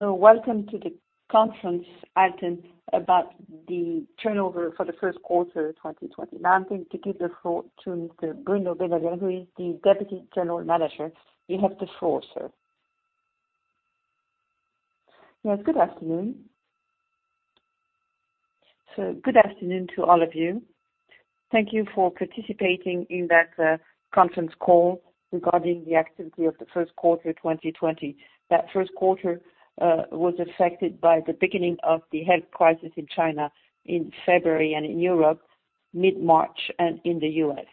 Welcome to the conference, Alten, about the turnover for the first quarter 2020. Now I'm going to give the floor to Mr. Bruno Benoliel, who is the Deputy General Manager. You have the floor, sir. Yes. Good afternoon. Good afternoon to all of you. Thank you for participating in that conference call regarding the activity of the first quarter 2020. That first quarter was affected by the beginning of the health crisis in China in February and in Europe mid-March and in the U.S.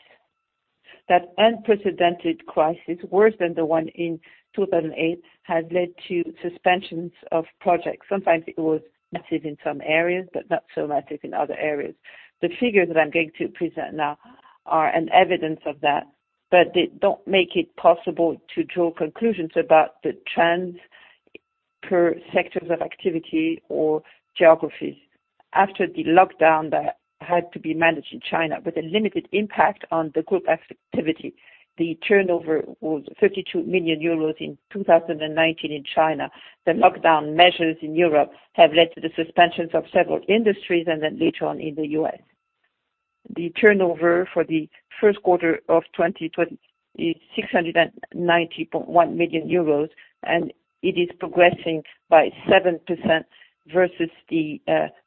That unprecedented crisis, worse than the one in 2008, has led to suspensions of projects. Sometimes it was massive in some areas, but not so massive in other areas. The figures that I'm going to present now are an evidence of that, but they don't make it possible to draw conclusions about the trends per sectors of activity or geographies. After the lockdown that had to be managed in China with a limited impact on the group activity, the turnover was 32 million euros in 2019 in China. The lockdown measures in Europe have led to the suspensions of several industries and then later on in the U.S. The turnover for the first quarter of 2020 is 690.1 million euros, and it is progressing by 7% versus the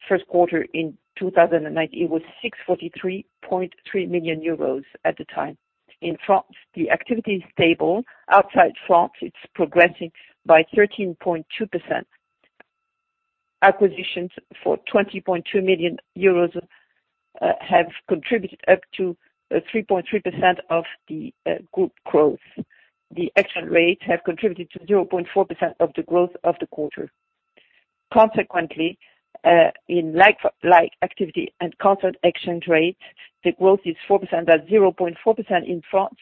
first quarter in 2019. It was 643.3 million euros at the time. In France, the activity is stable. Outside France, it's progressing by 13.2%. Acquisitions for 20.2 million euros have contributed up to 3.3% of the group growth. The exchange rate have contributed to 0.4% of the growth of the quarter. Consequently, in like-for-like activity and constant exchange rate, the growth is 4%, that's 0.4% in France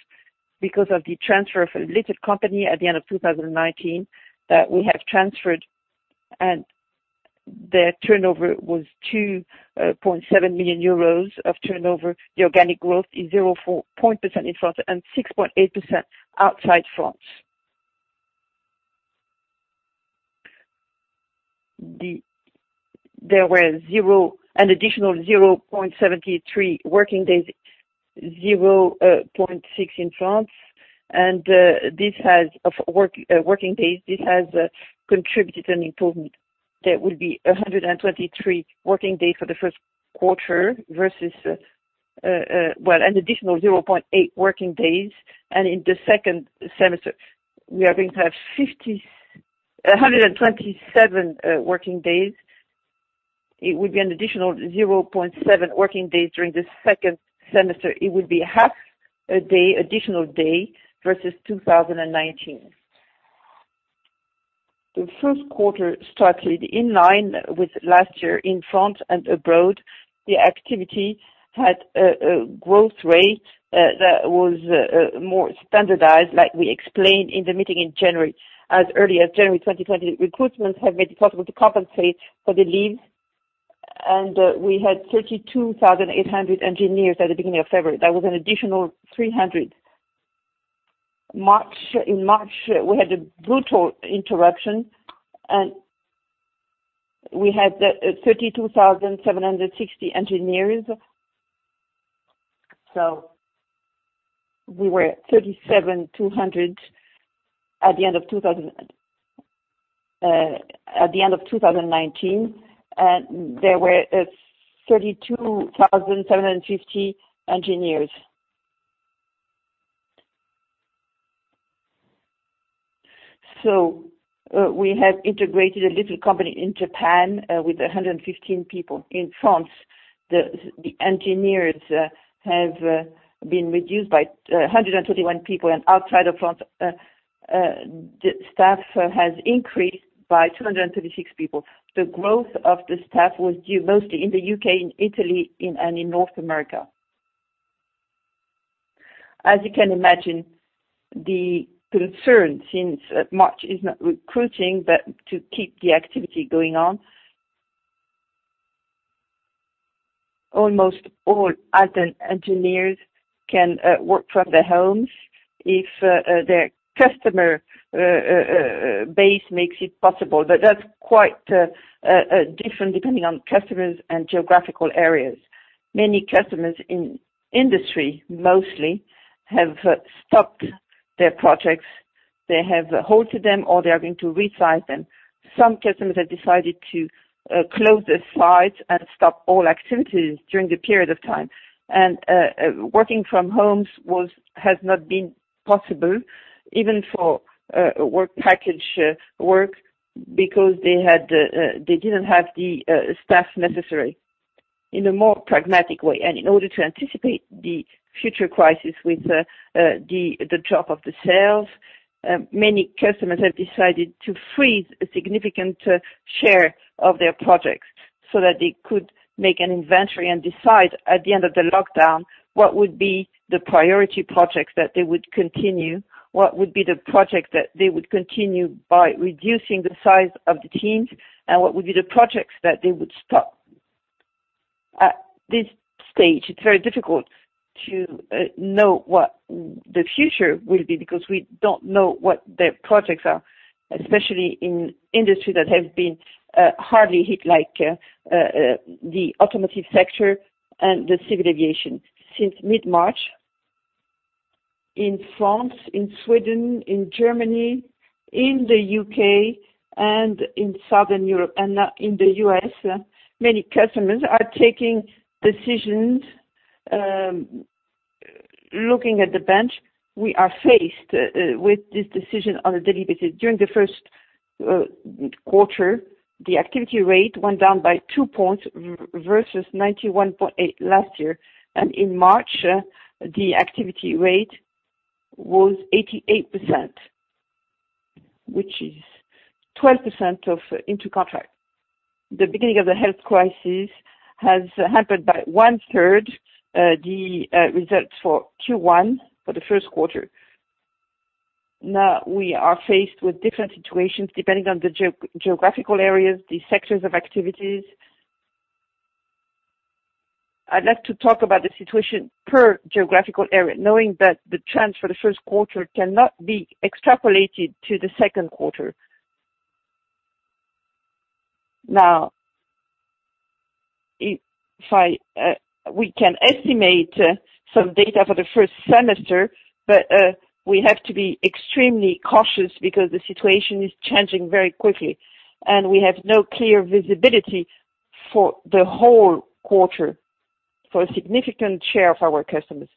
because of the transfer of a little company at the end of 2019 that we have transferred, and their turnover was 2.7 million euros of turnover. The organic growth is 0.4% in France and 6.8% outside France. There were an additional 0.73 working days, 0.6 in France, working days. This has contributed an improvement. There will be 123 working days for the first quarter versus an additional 0.8 working days. In the second semester, we are going to have 127 working days. It will be an additional 0.7 working days during the second semester. It will be half a day additional day versus 2019. The first quarter started in line with last year in France and abroad. The activity had a growth rate that was more standardized, like we explained in the meeting in January. As early as January 2020, recruitments have made it possible to compensate for the leave, and we had 32,800 engineers at the beginning of February. That was an additional 300. In March, we had a brutal interruption, and we had 32,760 engineers. We were 37,200 at the end of 2019, and there were 32,750 engineers. We have integrated a little company in Japan with 115 people. In France, the engineers have been reduced by 121 people, and outside of France, staff has increased by 236 people. The growth of the staff was due mostly in the U.K., in Italy, and in North America. As you can imagine, the concern since March is not recruiting, but to keep the activity going on. Almost all Alten engineers can work from their homes if their customer base makes it possible. That's quite different depending on customers and geographical areas. Many customers in industry, mostly, have stopped their projects. They have halted them, or they are going to resize them. Some customers have decided to close their sites and stop all activities during the period of time. Working from home has not been possible even for work package work because they didn't have the staff necessary. In a more pragmatic way, and in order to anticipate the future crisis with the drop of the sales, many customers have decided to freeze a significant share of their projects so that they could make an inventory and decide at the end of the lockdown what would be the priority projects that they would continue, what would be the project that they would continue by reducing the size of the teams, and what would be the projects that they would stop. This stage, it's very difficult to know what the future will be because we don't know what the projects are, especially in industry that have been hardly hit like the automotive sector and the civil aviation. Since mid-March, in France, in Sweden, in Germany, in the U.K., and in Southern Europe, and now in the U.S., many customers are taking decisions. Looking at the bench, we are faced with this decision on a daily basis. During the first quarter, the activity rate went down by 2 points versus 91.8 last year, and in March, the activity rate was 88%, which is 12% of into contract. The beginning of the health crisis has hampered by one-third the results for Q1, for the first quarter. Now, we are faced with different situations depending on the geographical areas, the sectors of activities. I'd like to talk about the situation per geographical area, knowing that the trends for the first quarter cannot be extrapolated to the second quarter. We can estimate some data for the first semester, but we have to be extremely cautious because the situation is changing very quickly, and we have no clear visibility for the whole quarter for a significant share of our customers.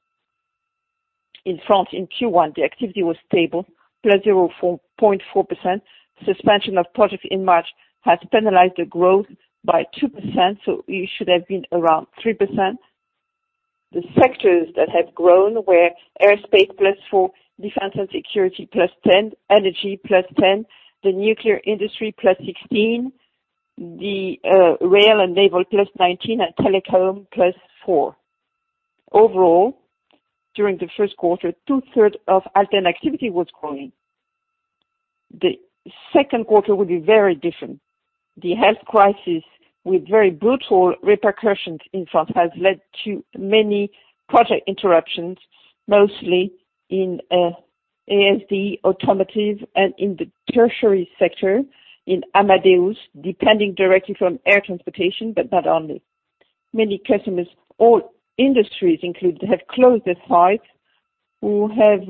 In France, in Q1, the activity was stable, +0.4%. Suspension of project in March has penalized the growth by 2%, so it should have been around 3%. The sectors that have grown were aerospace, +4%, defense and security, +10%, energy, +10%, the nuclear industry, +16%, the rail and naval, +19%, and telecom, +4%. Overall, during the first quarter, two-third of Alten activity was growing. The second quarter will be very different. The health crisis, with very brutal repercussions in France, has led to many project interruptions, mostly in ASD, automotive, and in the tertiary sector, in Amadeus, depending directly from air transportation, but not only. Many customers, all industries included, have closed their site who have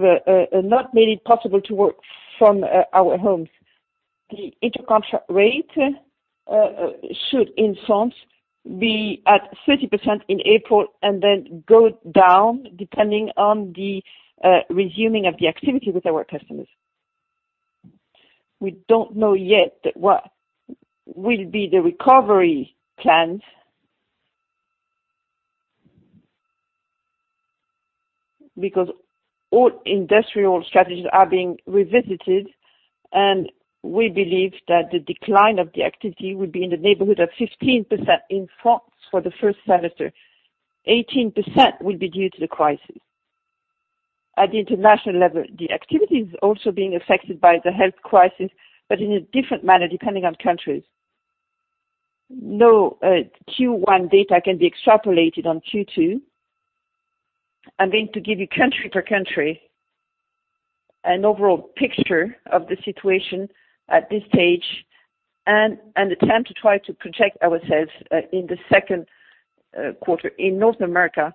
not made it possible to work from our homes. The inter-contract rate should, in France, be at 30% in April and then go down depending on the resuming of the activity with our customers. We don't know yet what will be the recovery plans because all industrial strategies are being revisited. We believe that the decline of the activity will be in the neighborhood of 15% in France for the first semester, 18% will be due to the crisis. At the international level, the activity is also being affected by the health crisis. In a different manner, depending on countries. No Q1 data can be extrapolated on Q2. I'm going to give you country per country an overall picture of the situation at this stage and attempt to try to project ourselves in the second quarter. In North America,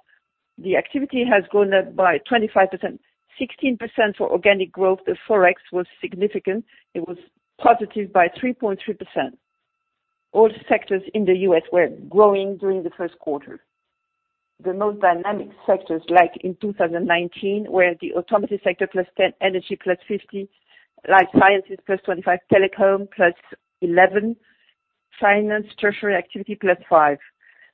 the activity has gone up by 25%, 16% for organic growth. The Forex was significant. It was positive by 3.3%. All sectors in the U.S. were growing during the first quarter. The most dynamic sectors, like in 2019, were the automotive sector, +10%, energy, +15%, life sciences, +25%, telecom, +11%, finance, treasury activity, +5%.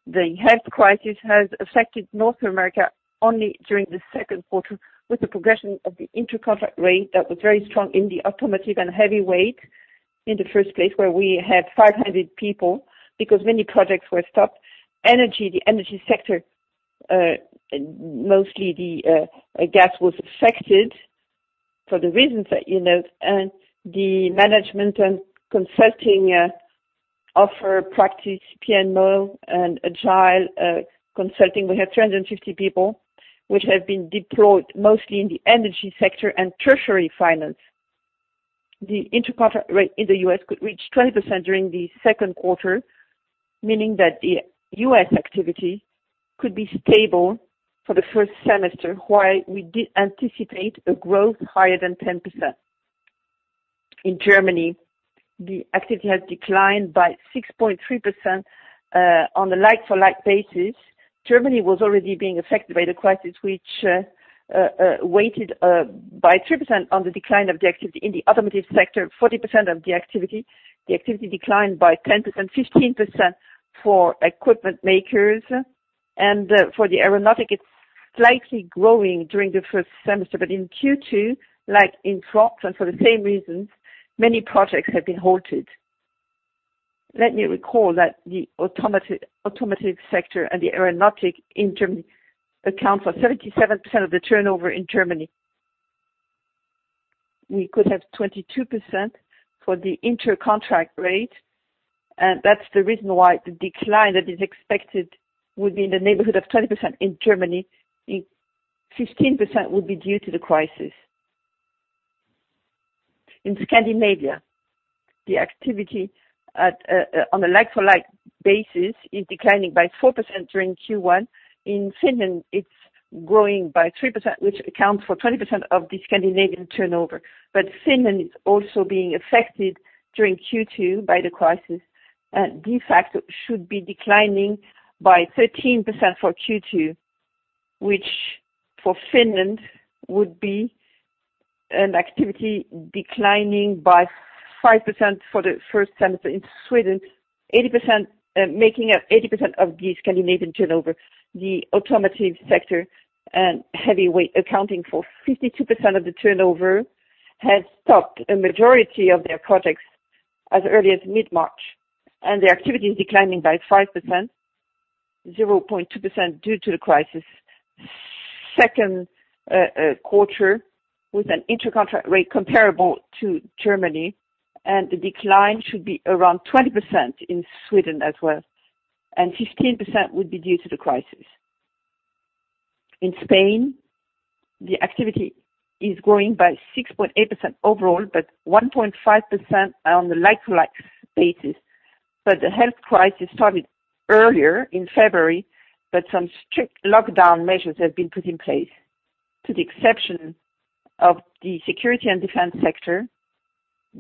The health crisis has affected North America only during the second quarter with the progression of the inter-contract rate that was very strong in the automotive and heavy vehicles in the first place, where we had 500 people because many projects were stopped. The energy sector, mostly the gas was affected for the reasons that you know, the management and consulting offer practice, PMO and Agile Consulting. We have 350 people which have been deployed mostly in the energy sector and treasury finance. The inter-contract rate in the U.S. could reach 20% during the second quarter, meaning that the U.S. activity could be stable for the first semester, while we did anticipate a growth higher than 10%. In Germany, the activity has declined by 6.3% on a like-to-like basis. Germany was already being affected by the crisis, which weighted by 3% on the decline of the activity in the automotive sector, 40% of the activity. The activity declined by 10%, 15% for equipment makers, for the aeronautic, it's slightly growing during the first semester. In Q2, like in France, for the same reasons, many projects have been halted. Let me recall that the automotive sector and the aeronautic in Germany account for 77% of the turnover in Germany. We could have 22% for the inter-contract rate. That's the reason why the decline that is expected will be in the neighborhood of 20% in Germany, 15% will be due to the crisis. In Scandinavia, the activity on a like-for-like basis is declining by 4% during Q1. In Finland, it's growing by 3%, which accounts for 20% of the Scandinavian turnover. Finland is also being affected during Q2 by the crisis, and de facto should be declining by 13% for Q2, which for Finland would be an activity declining by 5% for the first semester. In Sweden, making up 80% of the Scandinavian turnover, the automotive sector and heavy vehicles accounting for 52% of the turnover, has stopped a majority of their projects as early as mid-March, and their activity is declining by 5%, 0.2% due to the crisis. Second quarter, with an inter-contract rate comparable to Germany, the decline should be around 20% in Sweden as well, and 15% would be due to the crisis. In Spain, the activity is growing by 6.8% overall, but 1.5% on a like-to-like basis. The health crisis started earlier in February, but some strict lockdown measures have been put in place. To the exception of the security and defense sector,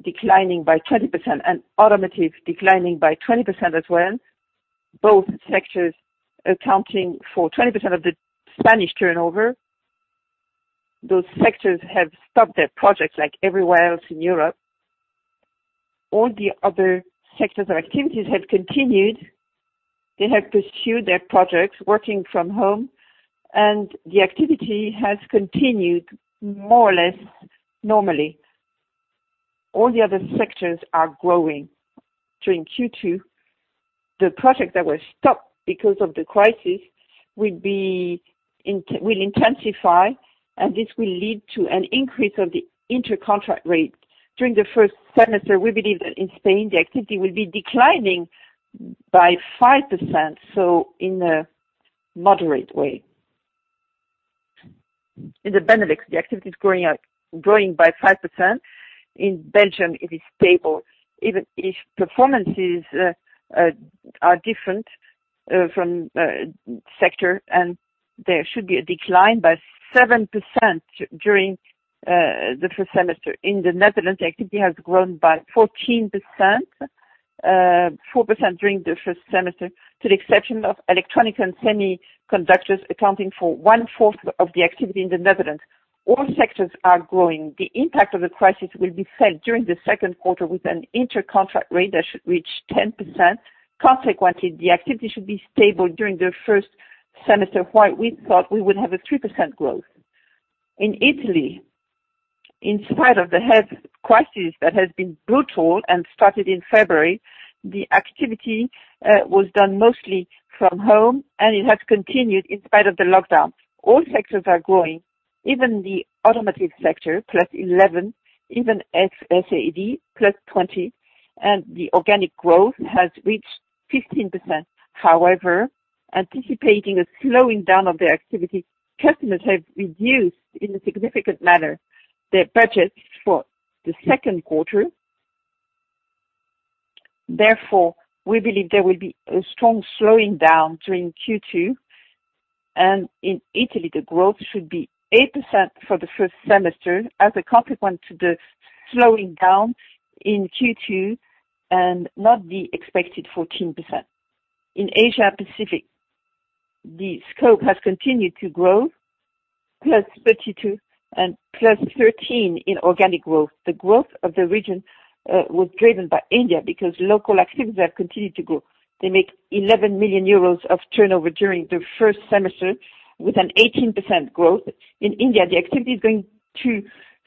declining by 20%, and automotive declining by 20% as well, both sectors accounting for 20% of the Spanish turnover. Those sectors have stopped their projects like everywhere else in Europe. All the other sectors or activities have continued. They have pursued their projects, working from home, and the activity has continued more or less normally. All the other sectors are growing. During Q2, the project that was stopped because of the crisis will intensify, and this will lead to an increase of the inter-contract rate. During the first semester, we believe that in Spain, the activity will be declining by 5%, so in a moderate way. In the Benelux, the activity is growing by 5%. In Belgium, it is stable, even if performances are different from sector, and there should be a decline by 7% during the first semester. In the Netherlands, the activity has grown by 14%, 4% during the first semester, to the exception of electronic and semiconductors accounting for one fourth of the activity in the Netherlands. All sectors are growing. The impact of the crisis will be felt during the second quarter with an inter-contract rate that should reach 10%. The activity should be stable during the first semester, while we thought we would have a 3% growth. In Italy, in spite of the health crisis that has been brutal and started in February, the activity was done mostly from home, and it has continued in spite of the lockdown. All sectors are growing, even the automotive sector, +11%, even ASD, +20%, and the organic growth has reached 15%. Anticipating a slowing down of the activity, customers have reduced in a significant manner their budgets for the second quarter. Therefore, we believe there will be a strong slowing down during Q2, and in Italy, the growth should be 8% for the first semester as a consequence to the slowing down in Q2 and not the expected 14%. In Asia Pacific, the scope has continued to grow, +32% and +13% in organic growth. The growth of the region was driven by India because local activities have continued to grow. They make 11 million euros of turnover during the first semester with an 18% growth. In India, the activity is going to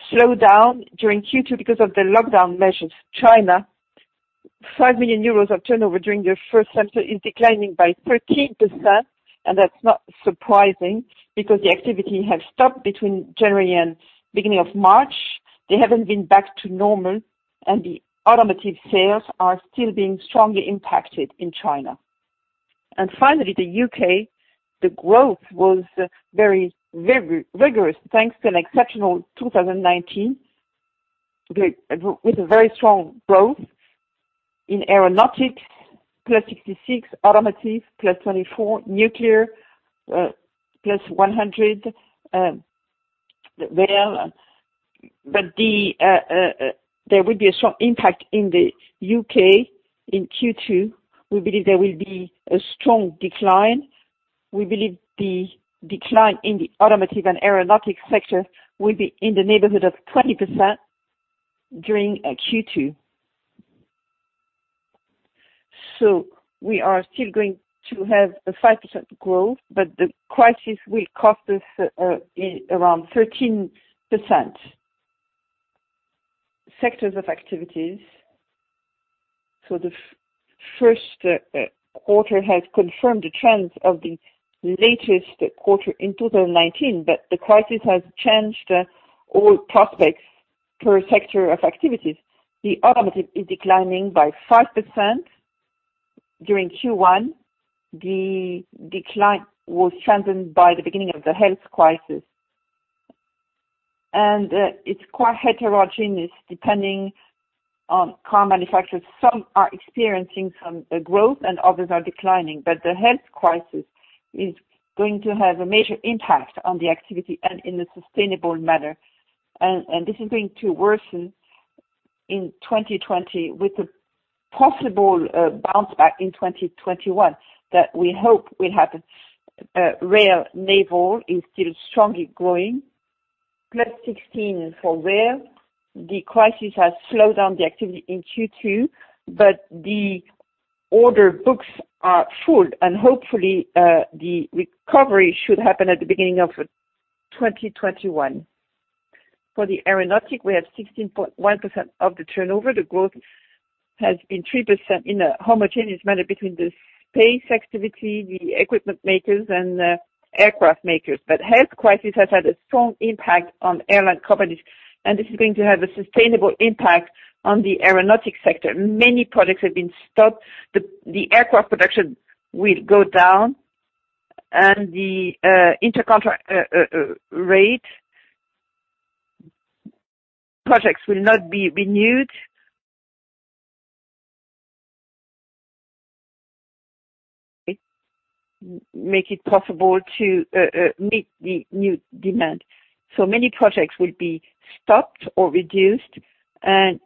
slow down during Q2 because of the lockdown measures. China, 5 million euros of turnover during the first semester, is declining by 13%, and that's not surprising because the activity has stopped between January and beginning of March. They haven't been back to normal, and the automotive sales are still being strongly impacted in China. Finally, the U.K., the growth was very rigorous thanks to an exceptional 2019, with a very strong growth in aeronautics, +66%, automotive, +24%, nuclear, +100%. There will be a strong impact in the U.K. in Q2. We believe there will be a strong decline. We believe the decline in the automotive and aeronautics sector will be in the neighborhood of 20% during Q2. We are still going to have a 5% growth, but the crisis will cost us around 13%. Sectors of activities. The first quarter has confirmed the trends of the latest quarter in 2019, but the crisis has changed all prospects per sector of activities. The automotive is declining by 5% during Q1. The decline was strengthened by the beginning of the health crisis. It's quite heterogeneous, depending on car manufacturers. Some are experiencing some growth and others are declining. The health crisis is going to have a major impact on the activity and in a sustainable manner. This is going to worsen in 2020 with a possible bounce back in 2021 that we hope will happen. Rail, naval is still strongly growing, +16% for rail. The crisis has slowed down the activity in Q2, but the order books are full and hopefully the recovery should happen at the beginning of 2021. For the aeronautic, we have 16.1% of the turnover. The growth has been 3% in a homogeneous manner between the space activity, the equipment makers, and the aircraft makers. Health crisis has had a strong impact on airline companies, and this is going to have a sustainable impact on the aeronautic sector. Many products have been stopped. The aircraft production will go down and the intercontract rate projects will not be renewed. Make it possible to meet the new demand. Many projects will be stopped or reduced, and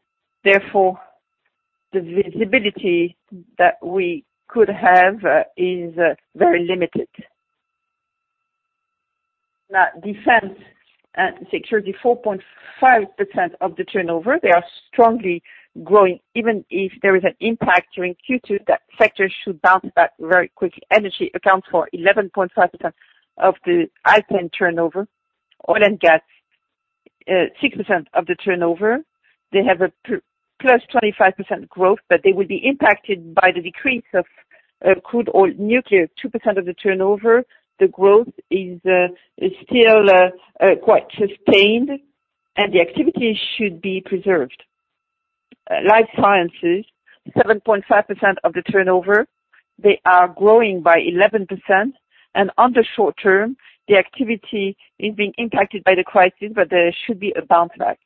therefore, the visibility that we could have is very limited. Defense and security, 4.5% of the turnover. They are strongly growing. Even if there is an impact during Q2, that sector should bounce back very quickly. Energy accounts for 11.5% of the Alten turnover. Oil and gas, 6% of the turnover. They have a +25% growth, but they will be impacted by the decrease of crude oil. Nuclear, 2% of the turnover. The growth is still quite sustained, and the activity should be preserved. Life sciences, 7.5% of the turnover. They are growing by 11%. On the short term, the activity is being impacted by the crisis, but there should be a bounce back.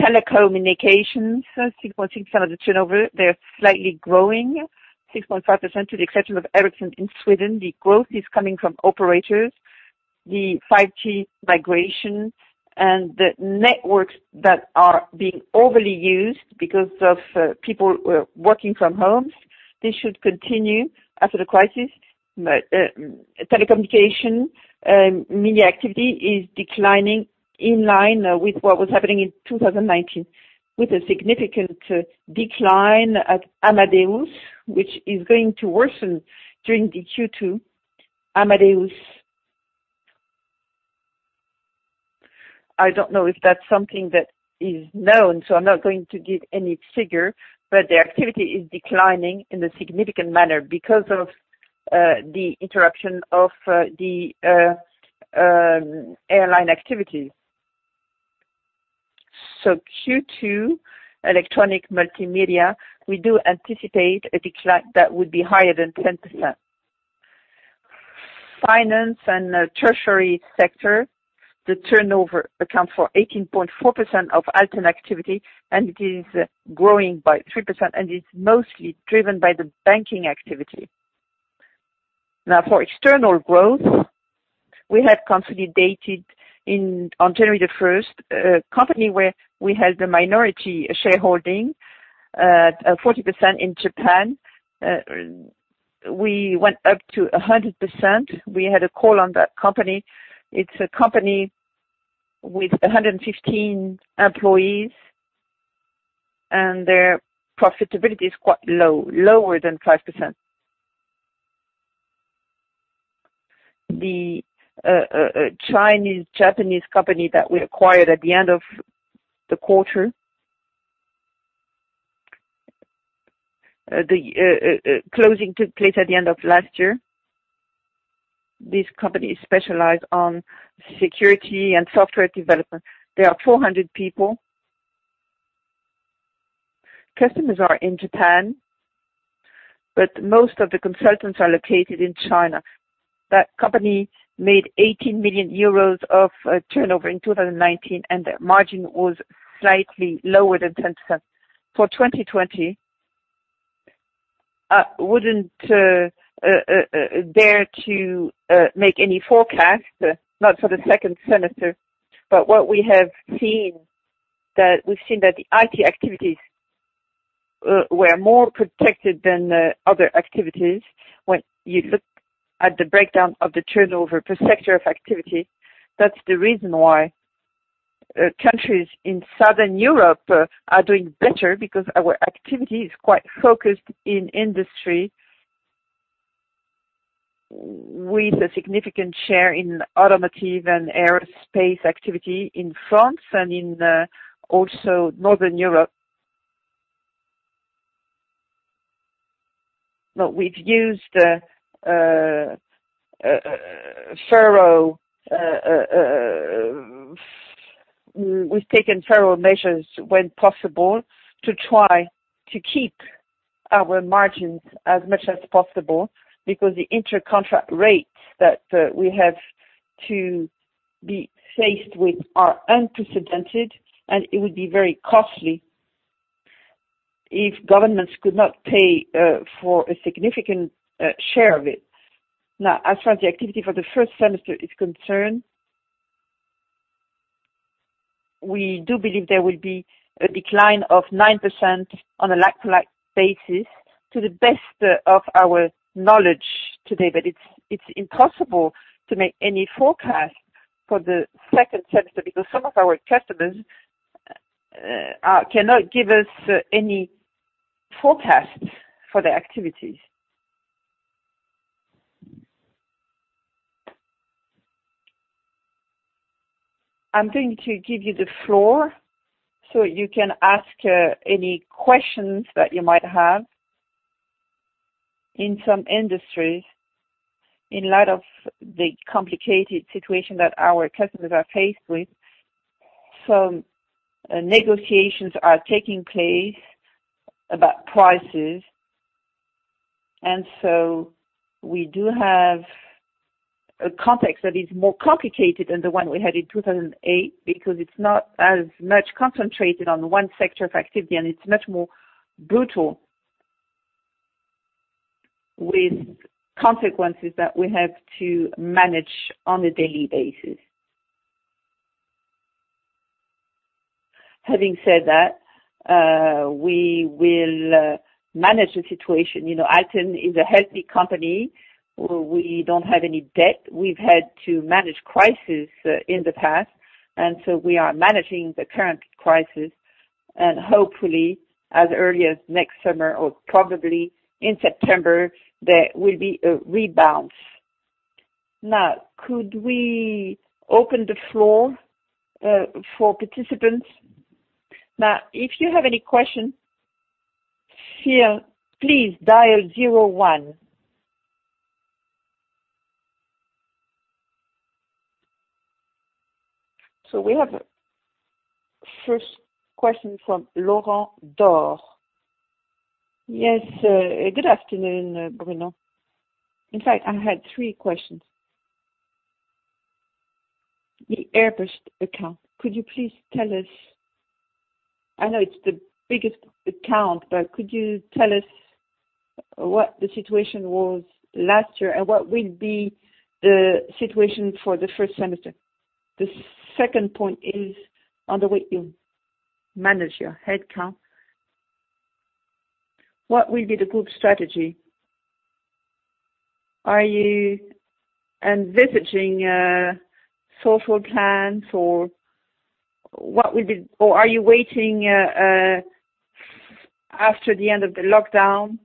Telecommunications, 6.6% of the turnover. They're slightly growing, 6.5%, to the exception of Ericsson in Sweden. The growth is coming from operators, the 5G migration, and the networks that are being overly used because of people working from homes. This should continue after the crisis. Telecommunication media activity is declining in line with what was happening in 2019, with a significant decline at Amadeus, which is going to worsen during the Q2. I don't know if that's something that is known, so I'm not going to give any figure, but the activity is declining in a significant manner because of the interruption of the airline activities. Q2, electronic multimedia, we do anticipate a decline that would be higher than 10%. Finance and treasury sector, the turnover accounts for 18.4% of Alten activity, and it is growing by 3%, and it's mostly driven by the banking activity. Now, for external growth, we have consolidated on January 1st, a company where we had a minority shareholding, 40% in Japan. We went up to 100%. We had a call on that company. It's a company with 115 employees, and their profitability is quite low, lower than 5%. The Chinese-Japanese company that we acquired at the end of the quarter, the closing took place at the end of last year. This company specialize on security and software development. There are 400 people. Customers are in Japan, but most of the consultants are located in China. That company made 18 million euros of turnover in 2019, and the margin was slightly lower than 10%. For 2020, I wouldn't dare to make any forecast, not for the second semester, but what we have seen, that we've seen that the IT activities were more protected than the other activities. When you look at the breakdown of the turnover per sector of activity, that's the reason why countries in Southern Europe are doing better, because our activity is quite focused in industry, with a significant share in automotive and aerospace activity in France and in also Northern Europe. No, we've taken thorough measures when possible to try to keep our margins as much as possible because the inter-contract rates that we have to be faced with are unprecedented, and it would be very costly if governments could not pay for a significant share of it. Now, as far as the activity for the first semester is concerned, we do believe there will be a decline of 9% on a like-to-like basis to the best of our knowledge today. It's impossible to make any forecast for the second semester because some of our customers cannot give us any forecasts for their activities. I'm going to give you the floor so you can ask any questions that you might have. In some industries, in light of the complicated situation that our customers are faced with, some negotiations are taking place about prices. We do have a context that is more complicated than the one we had in 2008 because it's not as much concentrated on one sector of activity, and it's much more brutal with consequences that we have to manage on a daily basis. Having said that, we will manage the situation. Alten is a healthy company. We don't have any debt. We've had to manage crises in the past, and so we are managing the current crisis, and hopefully as early as next summer or probably in September, there will be a rebound. Could we open the floor for participants? If you have any questions, please dial zero one. We have first question from Laurent Daure. Yes, good afternoon, Bruno. In fact, I had three questions. The Airbus account, I know it's the biggest account, but could you tell us what the situation was last year and what will be the situation for the first semester? The second point is on the way you manage your headcount. What will be the group strategy? Are you envisaging social plans, or are you waiting after the end of the lockdown?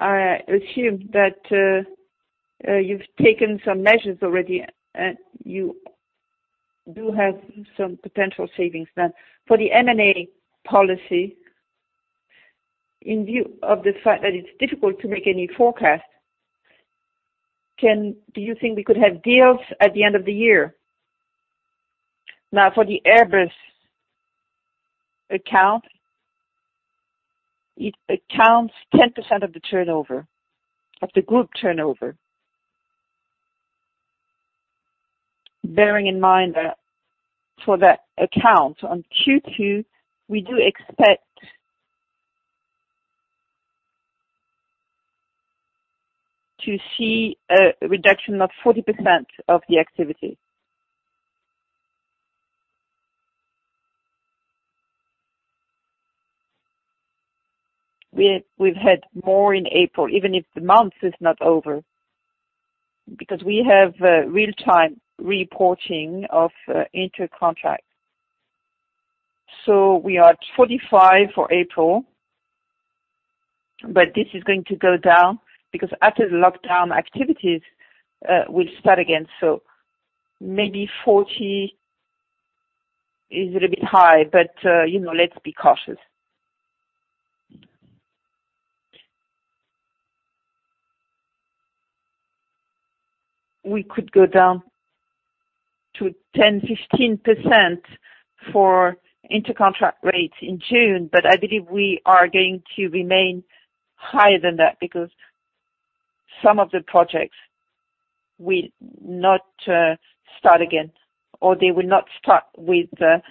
I assume that you've taken some measures already, and you do have some potential savings. For the M&A policy, in view of the fact that it's difficult to make any forecast, do you think we could have deals at the end of the year? For the Airbus account, it accounts 10% of the group turnover. Bearing in mind that for that account on Q2, we do expect to see a reduction of 40% of the activity. We've had more in April, even if the month is not over, because we have real-time reporting of inter-contract. We are at 45% for April, this is going to go down because after the lockdown, activities will start again. Maybe 40% is a little bit high, let's be cautious. We could go down to 10%-15% for inter-contract rates in June. I believe we are going to remain higher than that because some of the projects will not start again, or they will not start with the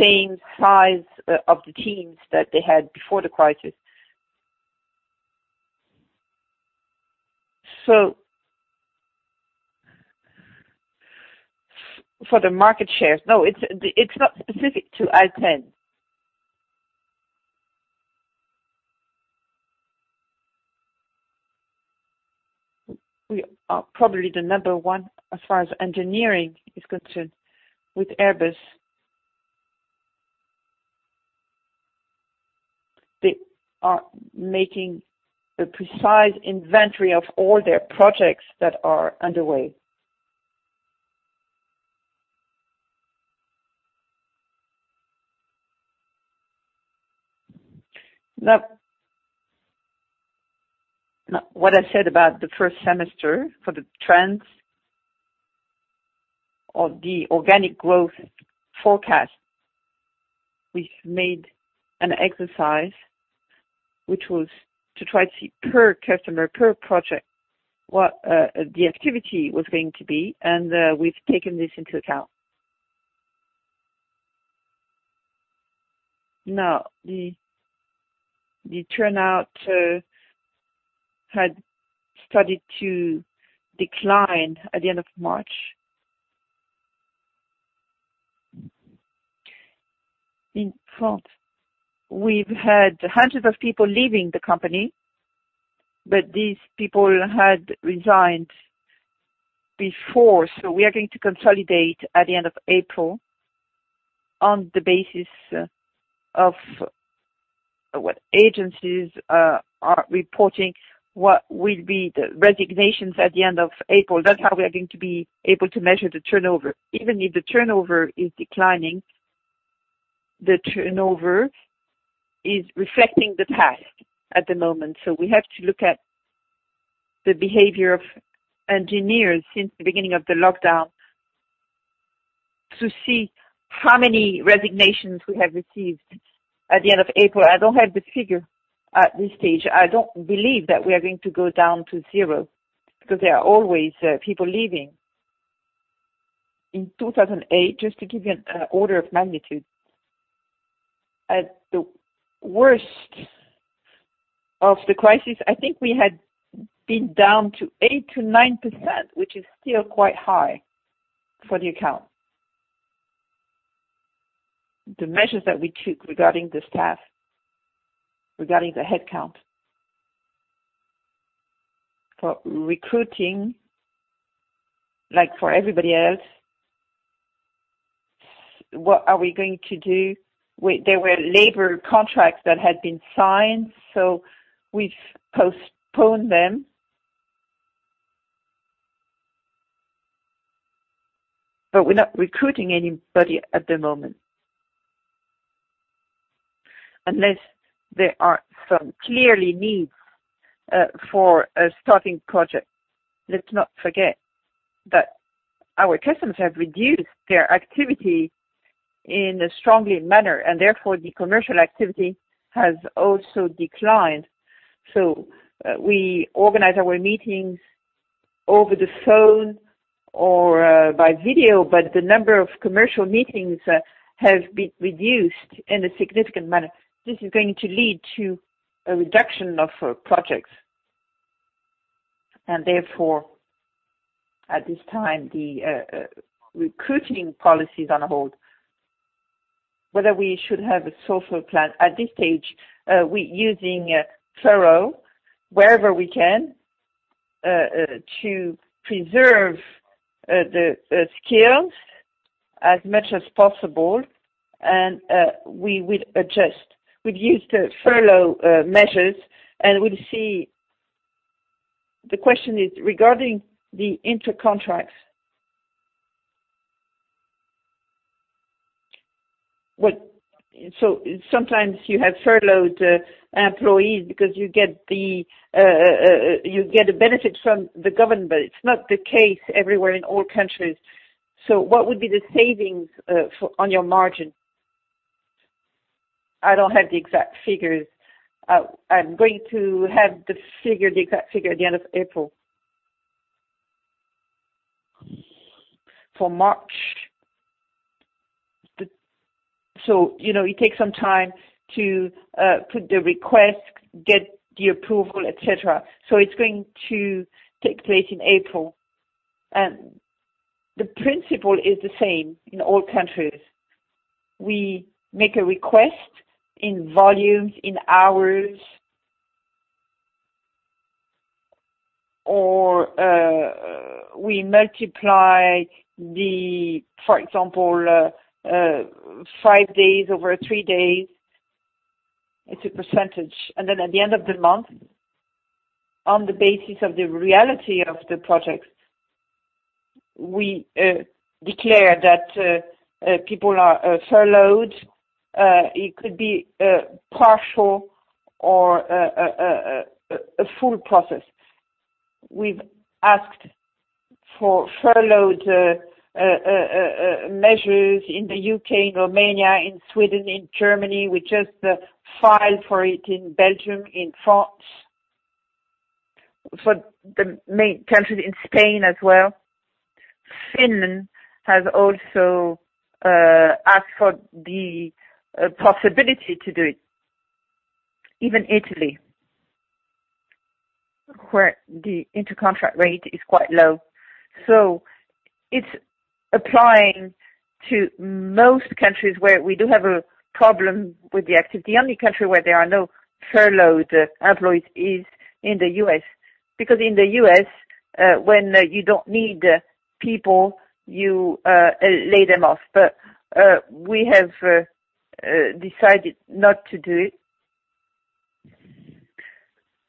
same size of the teams that they had before the crisis. For the market shares, no, it's not specific to Alten. We are probably the number one as far as engineering is concerned with Airbus. They are making a precise inventory of all their projects that are underway. What I said about the first semester for the trends of the organic growth forecast, we've made an exercise, which was to try to see per customer, per project, what the activity was going to be, and we've taken this into account. The turnout had started to decline at the end of March. In France, we've had hundreds of people leaving the company, but these people had resigned before. We are going to consolidate at the end of April on the basis of what agencies are reporting what will be the resignations at the end of April. That's how we are going to be able to measure the turnover. Even if the turnover is declining, the turnover is reflecting the past at the moment. We have to look at the behavior of engineers since the beginning of the lockdown to see how many resignations we have received at the end of April. I don't have the figure at this stage. I don't believe that we are going to go down to zero because there are always people leaving. In 2008, just to give you an order of magnitude, at the worst of the crisis, I think we had been down to 8%-9%, which is still quite high for the account. The measures that we took regarding the staff, regarding the headcount. For recruiting, like for everybody else, what are we going to do? There were labor contracts that had been signed. We've postponed them. We're not recruiting anybody at the moment, unless there are some clear needs for starting projects. Let's not forget that our customers have reduced their activity in a strong manner. The commercial activity has also declined. We organize our meetings over the phone or by video. The number of commercial meetings have been reduced in a significant manner. This is going to lead to a reduction of projects. Therefore, at this time, the recruiting policy is on hold. Whether we should have a social plan. At this stage, we're using furlough wherever we can to preserve the skills as much as possible, and we will adjust. We've used the furlough measures, and we'll see. The question is regarding the intercontracts. Sometimes you have furloughed employees because you get a benefit from the government. It's not the case everywhere in all countries. What would be the savings on your margin? I don't have the exact figures. I'm going to have the exact figure at the end of April. For March, it takes some time to put the request, get the approval, et cetera. It's going to take place in April. The principle is the same in all countries. We make a request in volumes, in hours, or we multiply the, for example, five days over three days. It's a percentage. Then at the end of the month, on the basis of the reality of the projects, we declare that people are furloughed. It could be partial or a full process. We've asked for furloughed measures in the U.K., in Romania, in Sweden, in Germany. We just filed for it in Belgium, in France, for the main countries, in Spain as well. Finland has also asked for the possibility to do it, even Italy, where the intercontract rate is quite low. It's applying to most countries where we do have a problem with the activity. The only country where there are no furloughed employees is in the U.S. Because in the U.S., when you don't need people, you lay them off. We have decided not to do it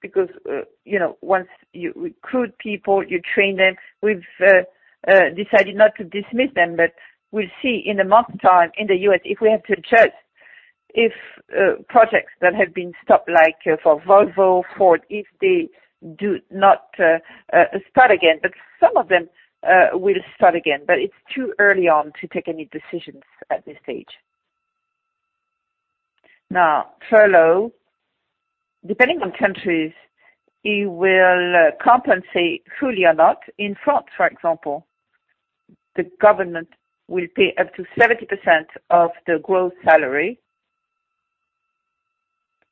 because once you recruit people, you train them. We've decided not to dismiss them, but we'll see in a one month's time in the U.S. if we have to adjust if projects that have been stopped, like for Volvo, Ford, if they do not start again. Some of them will start again, but it's too early on to take any decisions at this stage. Now, furlough, depending on countries, it will compensate fully or not. In France, for example, the government will pay up to 70% of the gross salary,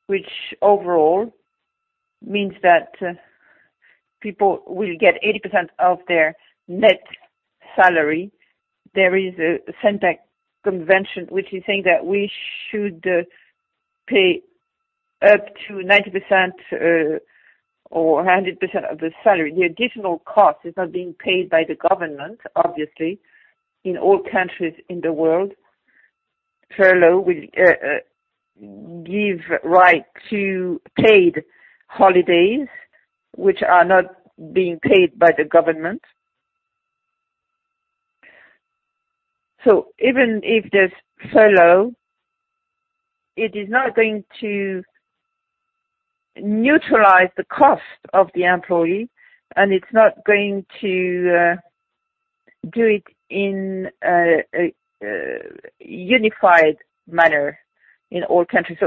which overall means that people will get 80% of their net salary. There is a Syntec convention which is saying that we should pay up to 90% or 100% of the salary. The additional cost is not being paid by the government, obviously. In all countries in the world, furlough will give right to paid holidays, which are not being paid by the government. Even if there's furlough, it is not going to neutralize the cost of the employee, and it's not going to do it in a unified manner in all countries.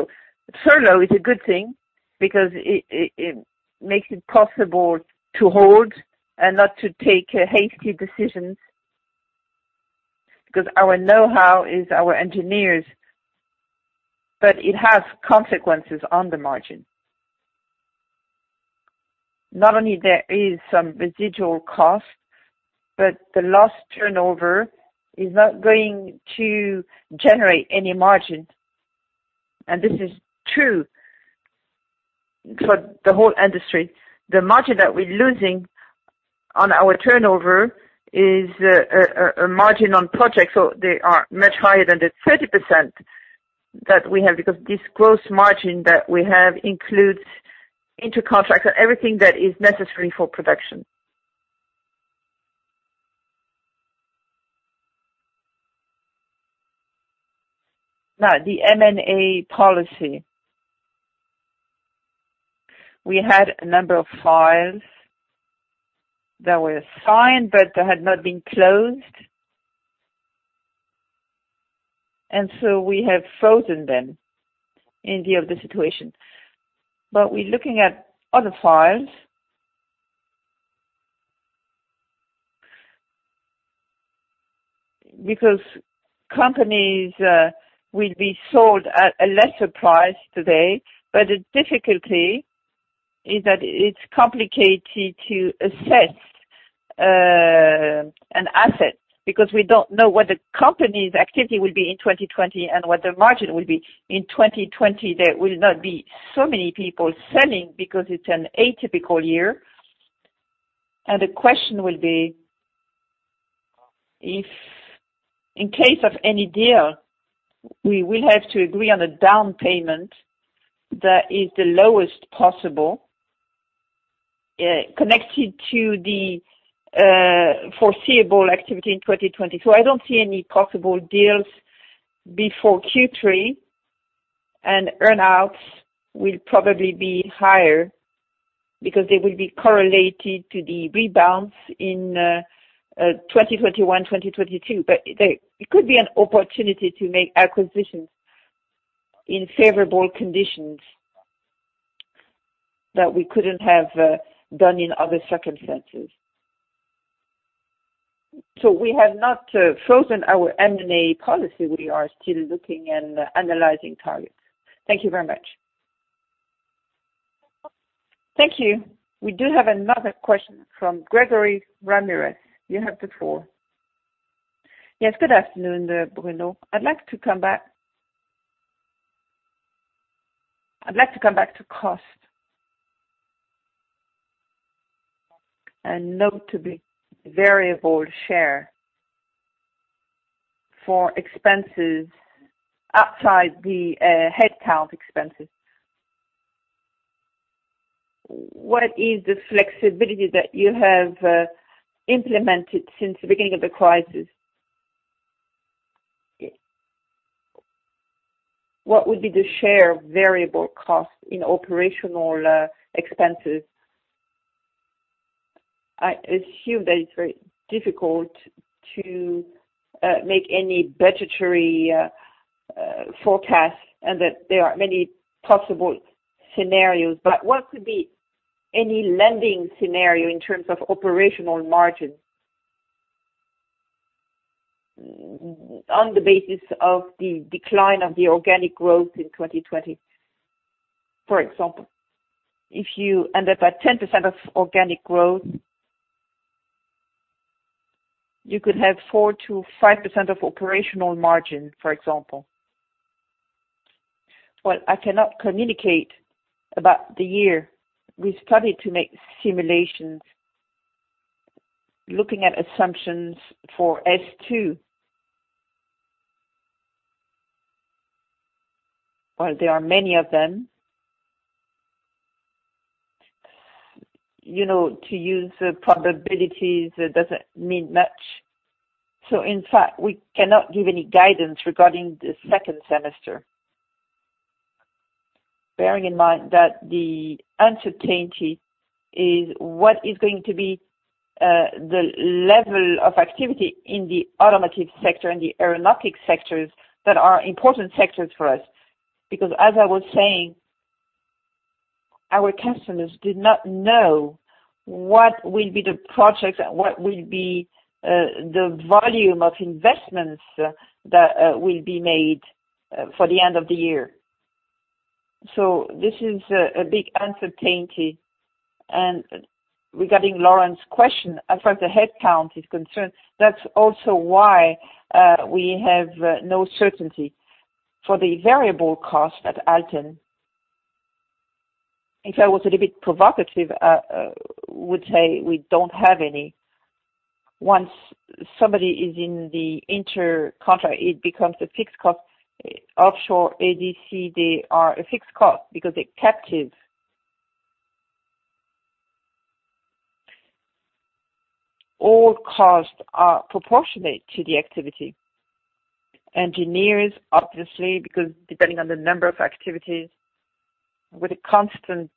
Furlough is a good thing because it makes it possible to hold and not to take hasty decisions, because our know-how is our engineers, but it has consequences on the margin. Not only there is some residual cost, but the lost turnover is not going to generate any margin, and this is true for the whole industry. The margin that we're losing on our turnover is a margin on projects, so they are much higher than the 30% that we have because this gross margin that we have includes inter contracts and everything that is necessary for production. The M&A policy. We had a number of files that were signed, but that had not been closed, we have frozen them in view of the situation. We're looking at other files because companies will be sold at a lesser price today. The difficulty is that it's complicated to assess an asset because we don't know what the company's activity will be in 2020 and what the margin will be in 2020. There will not be so many people selling because it's an atypical year. The question will be, if in case of any deal, we will have to agree on a down payment that is the lowest possible, connected to the foreseeable activity in 2020. I don't see any possible deals before Q3, and earn-outs will probably be higher because they will be correlated to the rebounds in 2021, 2022. It could be an opportunity to make acquisitions in favorable conditions that we couldn't have done in other circumstances. We have not frozen our M&A policy. We are still looking and analyzing targets. Thank you very much. Thank you. We do have another question from Gregory Ramirez. You have the floor. Yes. Good afternoon, Bruno. I'd like to come back to cost and note the variable share for expenses outside the headcount expenses. What is the flexibility that you have implemented since the beginning of the crisis? What would be the share of variable cost in operational expenses? I assume that it's very difficult to make any budgetary forecasts and that there are many possible scenarios, but what could be any landing scenario in terms of operational margins on the basis of the decline of the organic growth in 2020? For example, if you end up at 10% of organic growth. You could have 4%-5% of operational margin, for example. Well, I cannot communicate about the year. We started to make simulations looking at assumptions for S2. Well, there are many of them. To use probabilities, it doesn't mean much. In fact, we cannot give any guidance regarding the second semester, bearing in mind that the uncertainty is what is going to be the level of activity in the automotive sector and the aeronautics sectors that are important sectors for us. As I was saying, our customers did not know what will be the projects and what will be the volume of investments that will be made for the end of the year. This is a big uncertainty. Regarding Laurent's question, as far as the headcount is concerned, that's also why we have no certainty. For the variable cost at Alten, if I was a little bit provocative, I would say we don't have any. Once somebody is in the inter contract, it becomes a fixed cost. Offshore ADC, they are a fixed cost because they're captive. All costs are proportionate to the activity. Engineers, obviously, because depending on the number of activities, with a constant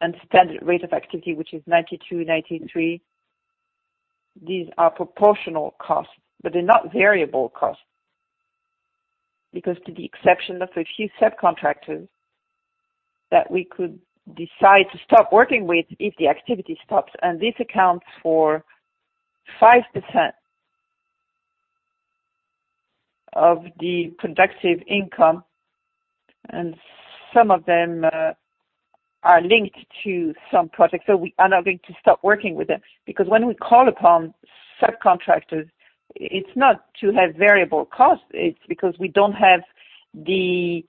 and standard rate of activity, which is 92%, 93%, these are proportional costs. They're not variable costs because, to the exception of a few subcontractors that we could decide to stop working with if the activity stops, and this accounts for 5% of the productive income, and some of them are linked to some projects, we are not going to stop working with them. When we call upon subcontractors, it's not to have variable costs, it's because we don't have the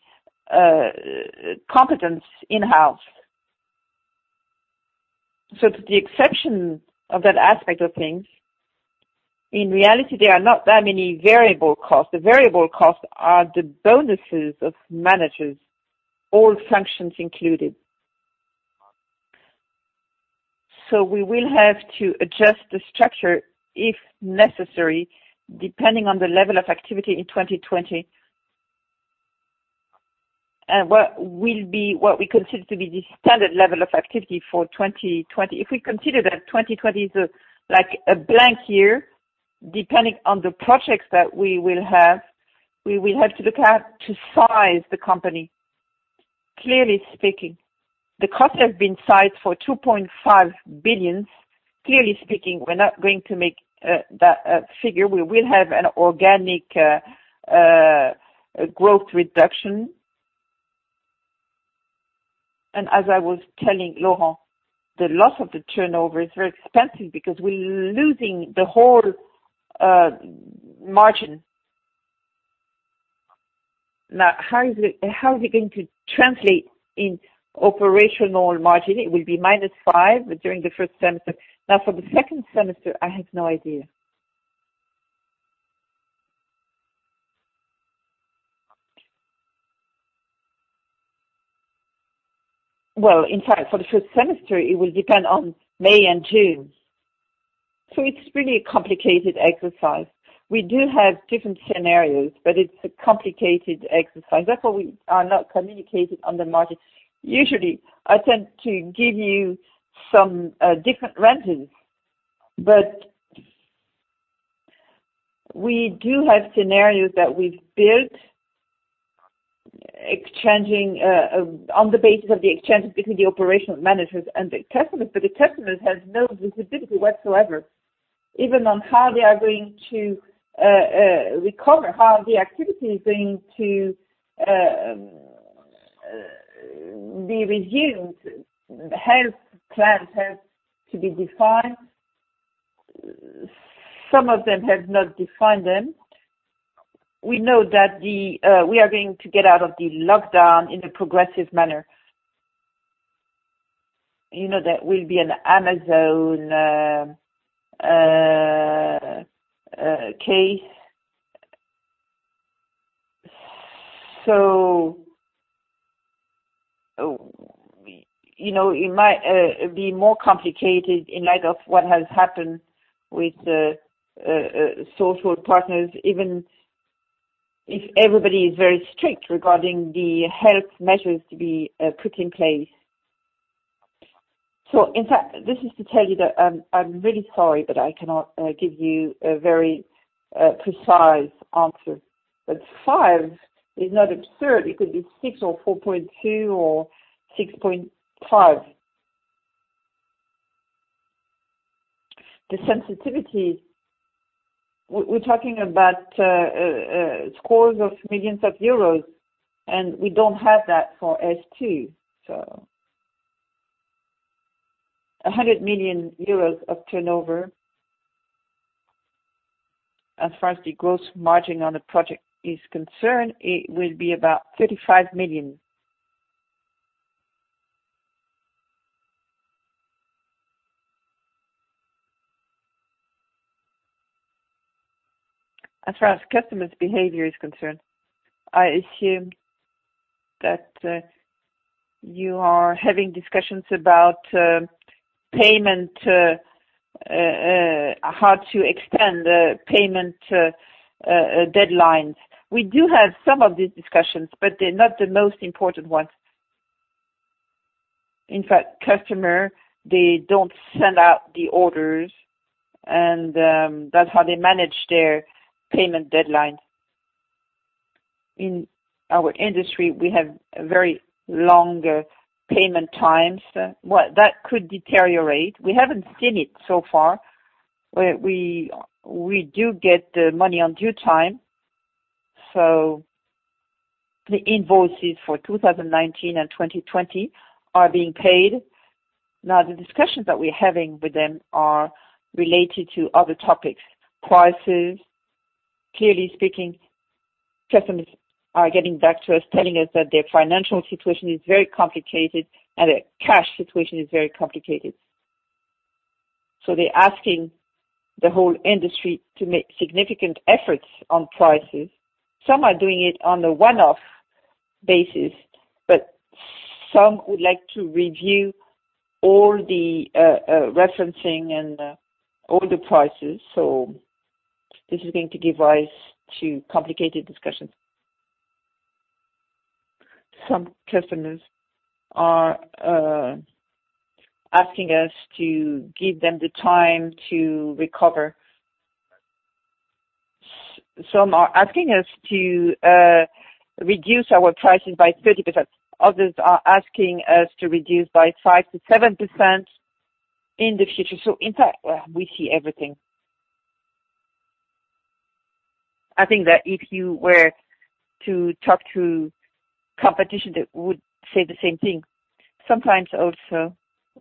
competence in-house. To the exception of that aspect of things, in reality, there are not that many variable costs. The variable costs are the bonuses of managers, all functions included. We will have to adjust the structure if necessary, depending on the level of activity in 2020, and what we consider to be the standard level of activity for 2020. If we consider that 2020 is a blank year, depending on the projects that we will have, we will have to look at to size the company. Clearly speaking, the cost has been sized for 2.5 billion. Clearly speaking, we're not going to make that figure. We will have an organic growth reduction. As I was telling Laurent, the loss of the turnover is very expensive because we're losing the whole margin. How is it going to translate in operational margin? It will be -5% during the first semester. For the second semester, I have no idea. In fact, for the first semester, it will depend on May and June. It's really a complicated exercise. We do have different scenarios, it's a complicated exercise. That's why we are not communicating on the margin. Usually, I tend to give you some different ranges, we do have scenarios that we've built on the basis of the exchanges between the operational managers and the customers, the customers have no visibility whatsoever, even on how they are going to recover, how the activity is going to be resumed. Health plans have to be defined. Some of them have not defined them. We know that we are going to get out of the lockdown in a progressive manner. There will be an Amazon case. It might be more complicated in light of what has happened with the social partners, even if everybody is very strict regarding the health measures to be put in place. In fact, this is to tell you that I'm really sorry, but I cannot give you a very precise answer. 5% is not absurd. It could be 6% or 4.2% or 6.5%. The sensitivity, we're talking about scores of millions of euros, and we don't have that for S2. EUR 100 million of turnover. As far as the gross margin on the project is concerned, it will be about 35 million. As far as customers' behavior is concerned, I assume that you are having discussions about how to extend payment deadlines. We do have some of these discussions, but they're not the most important ones. In fact, customer, they don't send out the orders, and that's how they manage their payment deadlines. In our industry, we have very long payment times. Well, that could deteriorate. We haven't seen it so far, where we do get the money on due time. The invoices for 2019 and 2020 are being paid. Now, the discussions that we're having with them are related to other topics, prices. Clearly speaking, customers are getting back to us telling us that their financial situation is very complicated and their cash situation is very complicated. They're asking the whole industry to make significant efforts on prices. Some are doing it on a one-off basis, some would like to review all the referencing and all the prices. This is going to give rise to complicated discussions. Some customers are asking us to give them the time to recover. Some are asking us to reduce our prices by 30%. Others are asking us to reduce by 5%-7% in the future. In fact, we see everything. I think that if you were to talk to competition, they would say the same thing. Sometimes also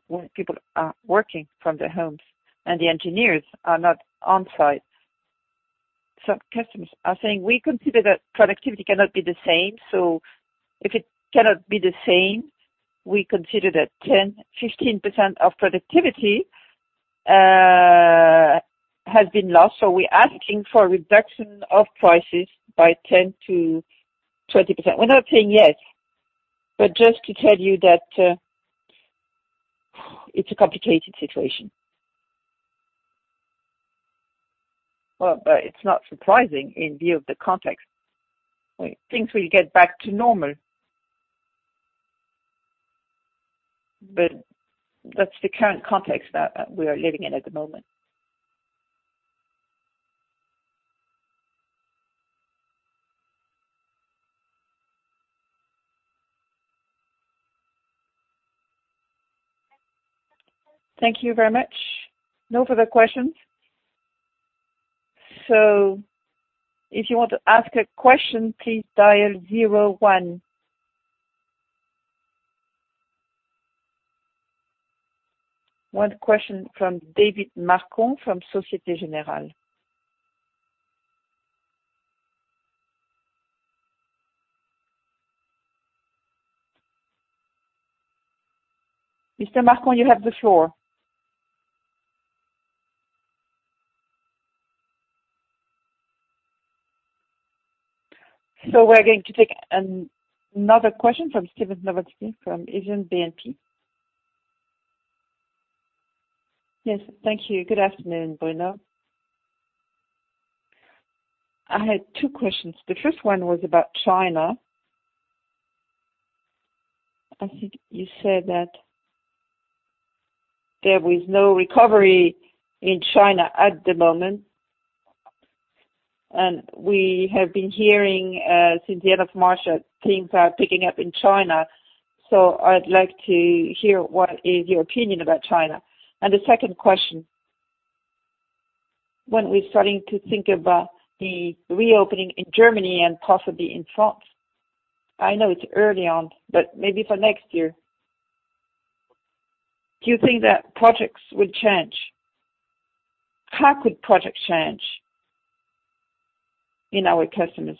when people are working from their homes and the engineers are not on-site, some customers are saying, "We consider that productivity cannot be the same. If it cannot be the same, we consider that 10%-15% of productivity has been lost, so we are asking for a reduction of prices by 10%-20%." We're not saying yes, but just to tell you that it's a complicated situation. It's not surprising in view of the context. Things will get back to normal. That's the current context that we are living in at the moment. Thank you very much. No further questions. If you want to ask a question, please dial zero one. One question from Derric Marcon from Societe Generale. Mr. Marcon, you have the floor. We're going to take another question from Steven Novicky from Exane BNP. Yes. Thank you. Good afternoon, Bruno. I had two questions. The first one was about China. I think you said that there was no recovery in China at the moment, and we have been hearing since the end of March that things are picking up in China. I'd like to hear what is your opinion about China. The second question, when we're starting to think about the reopening in Germany and possibly in France. I know it's early on, but maybe for next year, do you think that projects will change? How could projects change in our customers?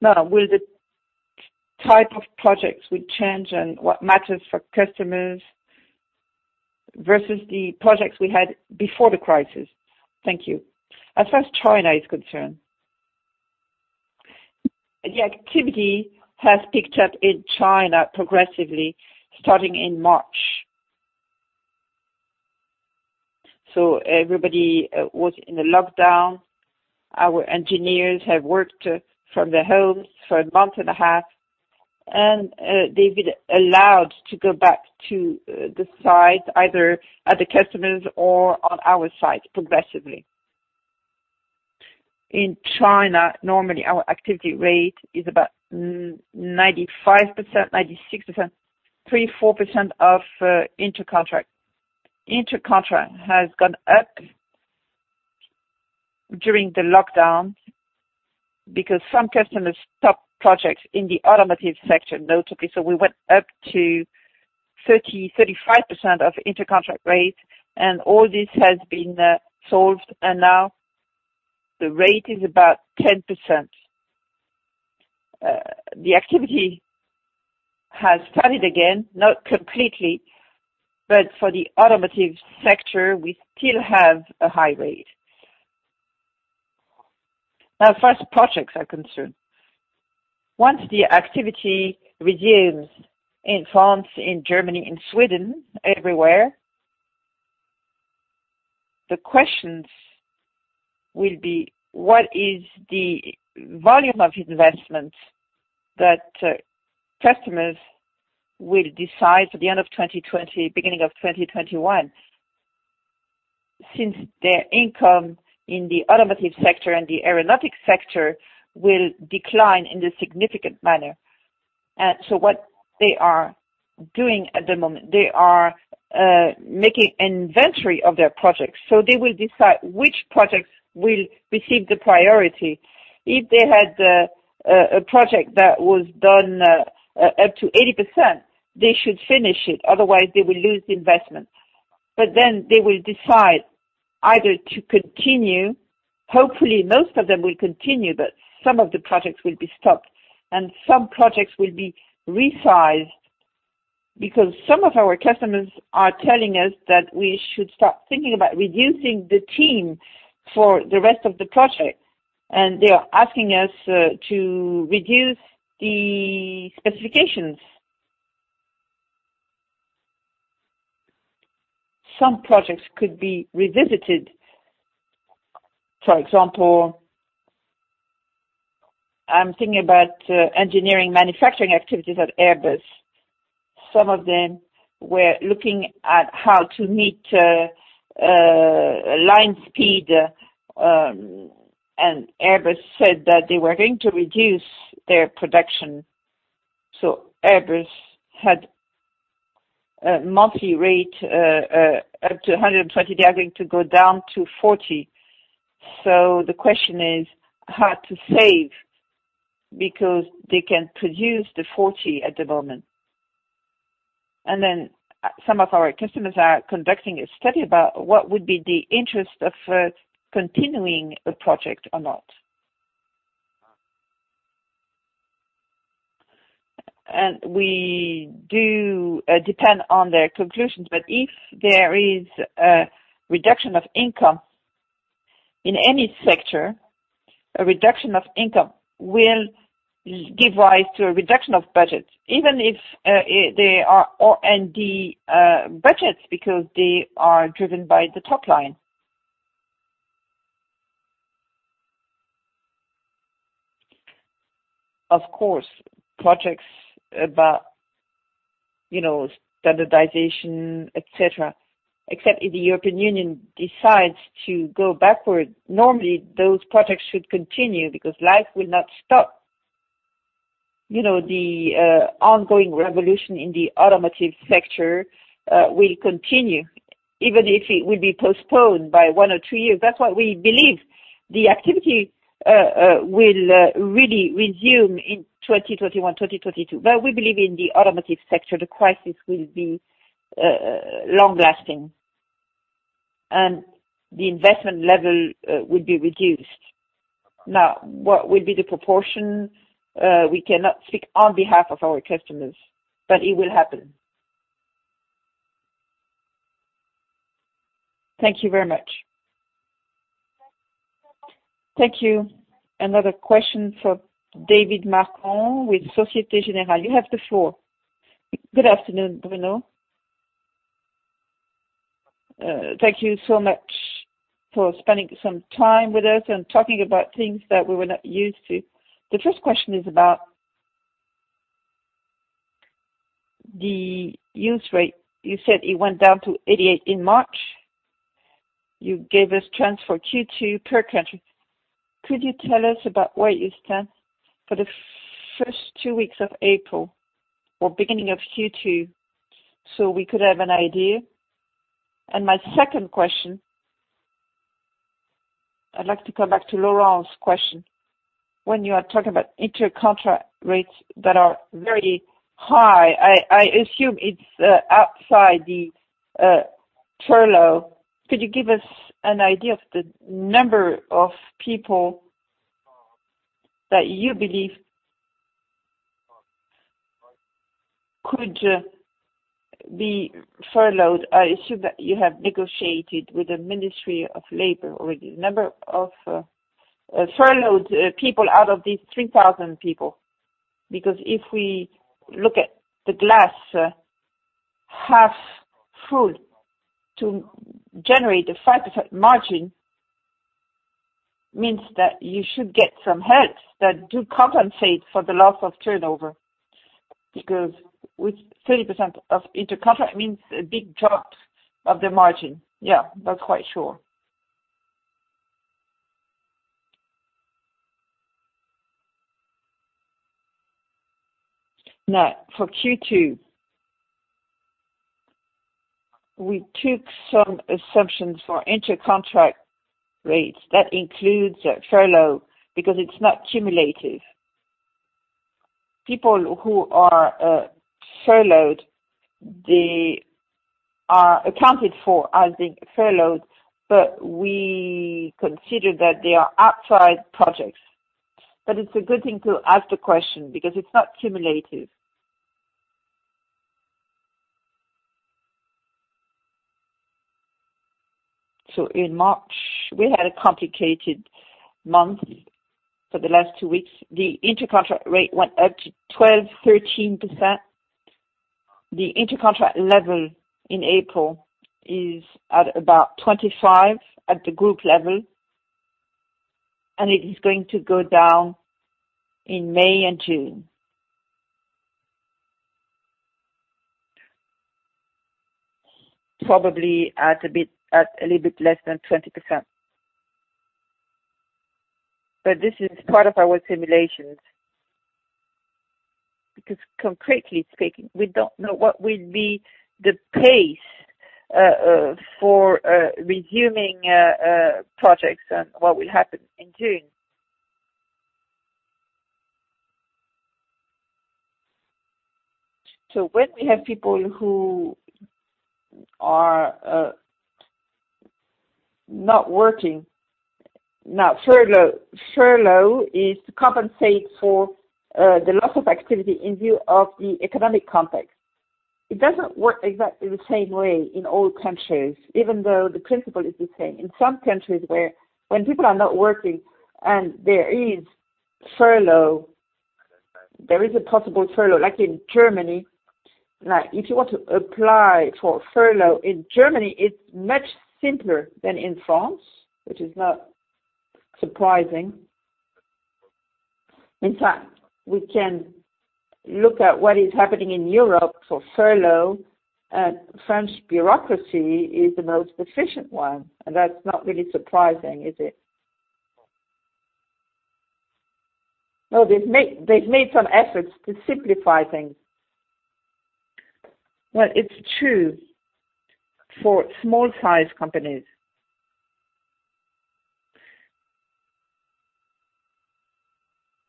No. Will the type of projects will change and what matters for customers versus the projects we had before the crisis? Thank you. As far as China is concerned, the activity has picked up in China progressively starting in March. Everybody was in a lockdown. Our engineers have worked from their homes for a month and a half, and they've been allowed to go back to the site, either at the customers or on our site progressively. In China, normally our activity rate is about 95%, 96%, 3%, 4% of inter contract. Inter contract has gone up during the lockdown because some customers stopped projects in the automotive sector, notably. We went up to 30%, 35% of inter contract rate, and all this has been solved, and now the rate is about 10%. The activity has started again, not completely, but for the automotive sector, we still have a high rate. As far as projects are concerned, once the activity resumes in France, in Germany, in Sweden, everywhere, the questions will be, what is the volume of investment that customers will decide for the end of 2020, beginning of 2021, since their income in the automotive sector and the aeronautics sector will decline in a significant manner. What they are doing at the moment, they are making inventory of their projects. They will decide which projects will receive the priority. If they had a project that was done up to 80%, they should finish it, otherwise they will lose the investment. They will decide either to continue. Hopefully, most of them will continue, but some of the projects will be stopped and some projects will be resized, because some of our customers are telling us that we should start thinking about reducing the team for the rest of the project, and they are asking us to reduce the specifications. Some projects could be revisited. For example, I'm thinking about engineering manufacturing activities at Airbus. Some of them were looking at how to meet line speed, and Airbus said that they were going to reduce their production. Airbus had a monthly rate up to 130, they are going to go down to 40. The question is how to save, because they can produce the 40 at the moment. Some of our customers are conducting a study about what would be the interest of continuing a project or not. We do depend on their conclusions, but if there is a reduction of income in any sector, a reduction of income will give rise to a reduction of budgets, even if they are O&D budgets, because they are driven by the top line. Of course, projects about standardization, et cetera, except if the European Union decides to go backward, normally, those projects should continue because life will not stop. The ongoing revolution in the automotive sector will continue, even if it will be postponed by one or two years. That's what we believe. The activity will really resume in 2021, 2022. We believe in the automotive sector, the crisis will be long-lasting, and the investment level will be reduced. Now, what will be the proportion? We cannot speak on behalf of our customers, but it will happen. Thank you very much. Thank you. Another question from Derric Marcon with Societe Generale. You have the floor. Good afternoon, Bruno. Thank you so much for spending some time with us and talking about things that we were not used to. The first question is about the use rate. You said it went down to 88% in March. You gave us trends for Q2 per country. Could you tell us about where you stand for the first two weeks of April or beginning of Q2, so we could have an idea? My second question, I'd like to come back to Laurent's question. When you are talking about inter-contract rates that are very high, I assume it's outside the furlough. Could you give us an idea of the number of people that you believe could be furloughed? I assume that you have negotiated with the Ministry of Labor already. Number of furloughed people out of these 3,000 people. If we look at the glass half full to generate a 5% margin, means that you should get some help that do compensate for the loss of turnover. With 30% of intercontract, it means a big drop of the margin. That's quite sure. For Q2, we took some assumptions for intercontract rates. That includes a furlough because it's not cumulative. People who are furloughed, they are accounted for as being furloughed, we consider that they are outside projects. It's a good thing to ask the question because it's not cumulative. In March, we had a complicated month for the last two weeks. The intercontract rate went up to 12%, 13%. The intercontract level in April is at about 25% at the group level, and it is going to go down in May and June. Probably at a little bit less than 20%. This is part of our simulations. Concretely speaking, we don't know what will be the pace for resuming projects and what will happen in June. When we have people who are not working Now, furlough is to compensate for the loss of activity in view of the economic context. It doesn't work exactly the same way in all countries, even though the principle is the same. In some countries when people are not working and there is furlough, there is a possible furlough, like in Germany. Now, if you want to apply for furlough in Germany, it's much simpler than in France, which is not surprising. In fact, we can look at what is happening in Europe for furlough, French bureaucracy is the most efficient one, and that's not really surprising, is it? No, they've made some efforts to simplify things. Well, it's true for small size companies.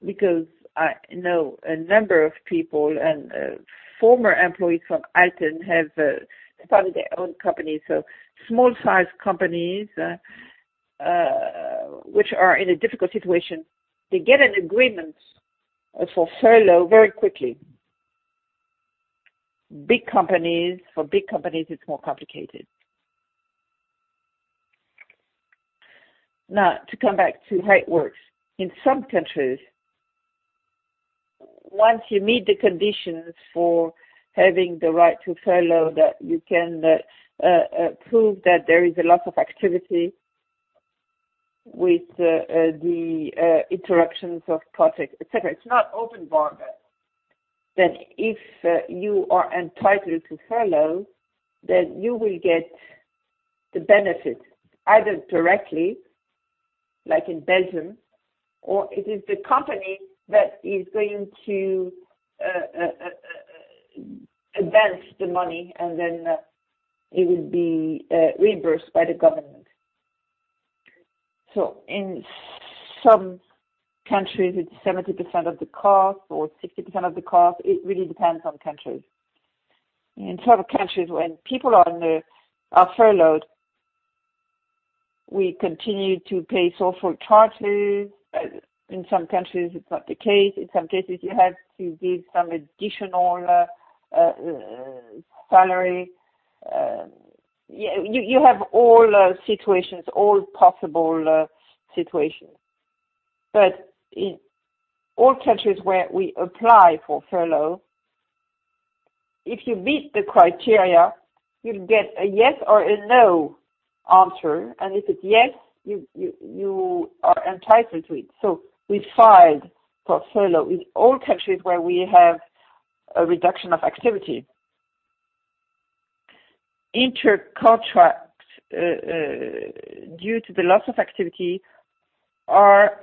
Because I know a number of people and former employees from Alten have started their own company. Small size companies, which are in a difficult situation, they get an agreement for furlough very quickly. For big companies, it's more complicated. To come back to how it works. In some countries, once you meet the conditions for having the right to furlough, that you can prove that there is a loss of activity with the interruptions of project, et cetera. It's not open bargain. If you are entitled to furlough, then you will get the benefit either directly, like in Belgium, or it is the company that is going to advance the money, and then it will be reimbursed by the government. In some countries, it's 70% of the cost or 60% of the cost. It really depends on countries. In some countries, when people are furloughed, we continue to pay social charges. In some countries, it's not the case. In some cases, you have to give some additional salary. You have all situations, all possible situations. In all countries where we apply for furlough, if you meet the criteria, you'll get a yes or a no answer, and if it's yes, you are entitled to it. We filed for furlough in all countries where we have a reduction of activity. Intercontracts, due to the loss of activity, are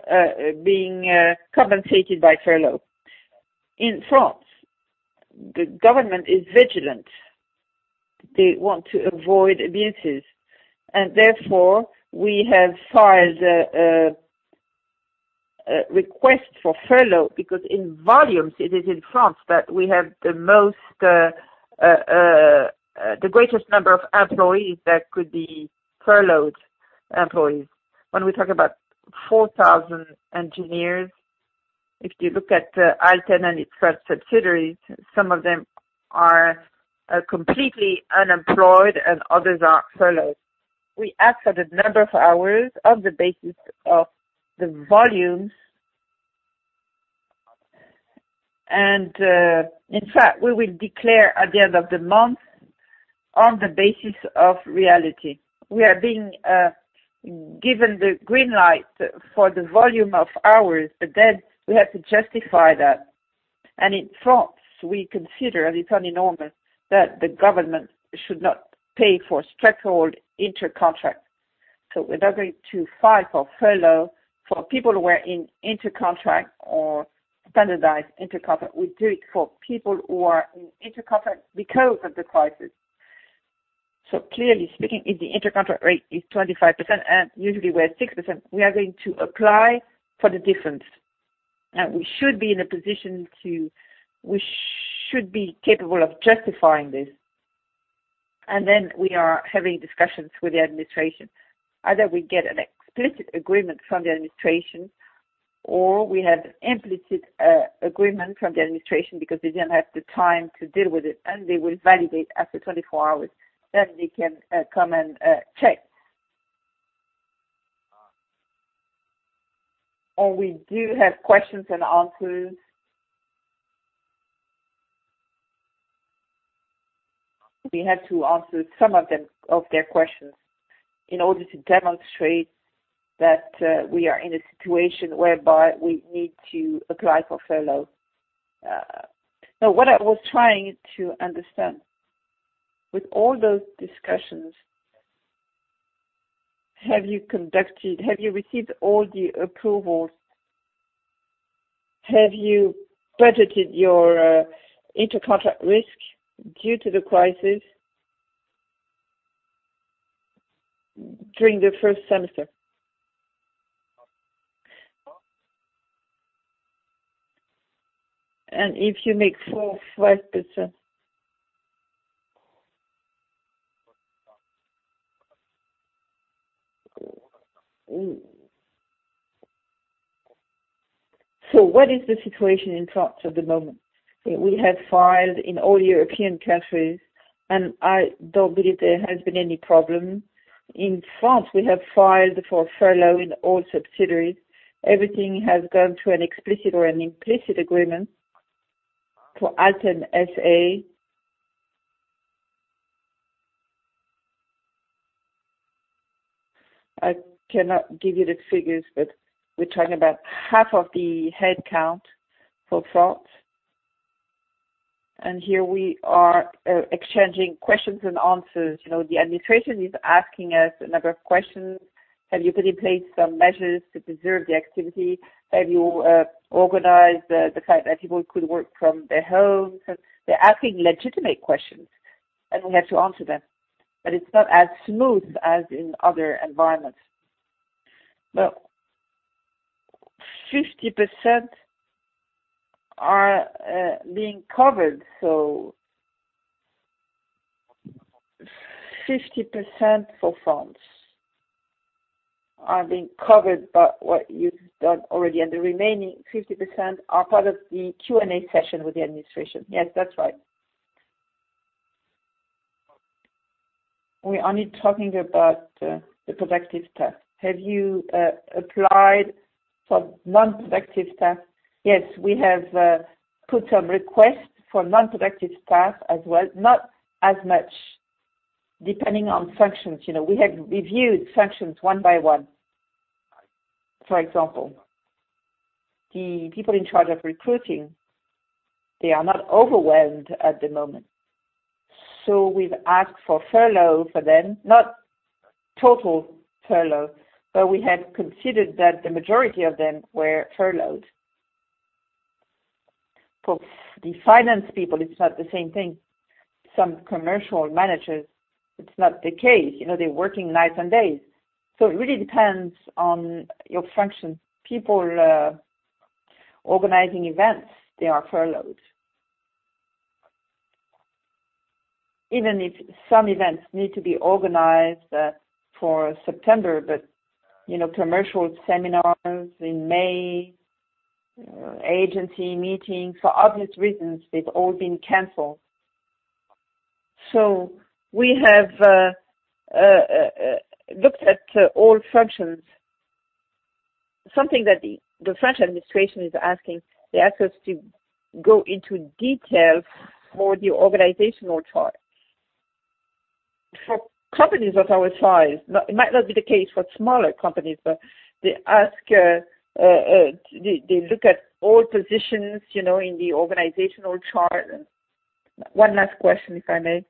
being compensated by furlough. In France, the government is vigilant. They want to avoid abuses, therefore, we have filed a request for furlough because in volumes, it is in France that we have the greatest number of employees that could be furloughed employees. When we talk about 4,000 engineers, if you look at Alten and its French subsidiaries, some of them are completely unemployed and others are furloughed. We ask for the number of hours on the basis of the volumes. In fact, we will declare at the end of the month on the basis of reality. We are being given the green light for the volume of hours, but then we have to justify that. In France, we consider, and it's only normal, that the government should not pay for structural intercontract. We're not going to file for furlough for people who are in intercontract or standardized intercontract. We do it for people who are in intercontract because of the crisis. Clearly speaking, if the intercontract rate is 25% and usually we're 6%, we are going to apply for the difference. We should be capable of justifying this. We are having discussions with the administration. Either we get an explicit agreement from the administration, or we have an implicit agreement from the administration because they don't have the time to deal with it, and they will validate after 24 hours, then they can come and check. We do have questions and answers. We had to answer some of their questions in order to demonstrate that we are in a situation whereby we need to apply for furlough. No, what I was trying to understand, with all those discussions, have you received all the approvals? Have you budgeted your intercontract risk due to the crisis during the first semester? If you make 4%-5%. What is the situation in France at the moment? We have filed in all European countries, and I don't believe there has been any problem. In France, we have filed for furlough in all subsidiaries. Everything has gone through an explicit or an implicit agreement for Alten SA. I cannot give you the figures, but we're talking about half of the headcount for France. Here we are exchanging questions and answers. The administration is asking us a number of questions. Have you put in place some measures to preserve the activity? Have you organized the fact that people could work from their homes? They're asking legitimate questions, and we have to answer them. It's not as smooth as in other environments. 50% are being covered so 50% for France are being covered by what you've done already, and the remaining 50% are part of the Q&A session with the administration. Yes, that's right. We're only talking about the productive staff. Have you applied for non-productive staff? Yes, we have put some requests for non-productive staff as well, not as much, depending on functions. We have reviewed functions one by one. For example, the people in charge of recruiting, they are not overwhelmed at the moment. We've asked for furlough for them, not total furlough, but we have considered that the majority of them were furloughed. For the finance people, it's not the same thing. Some commercial managers, it's not the case. They're working nights and days. It really depends on your function. People organizing events, they are furloughed. Even if some events need to be organized for September, commercial seminars in May, agency meetings, for obvious reasons, they've all been canceled. We have looked at all functions. Something that the French administration is asking, they ask us to go into detail for the organizational chart. For companies of our size, it might not be the case for smaller companies, but they look at all positions in the organizational chart. One last question, if I may.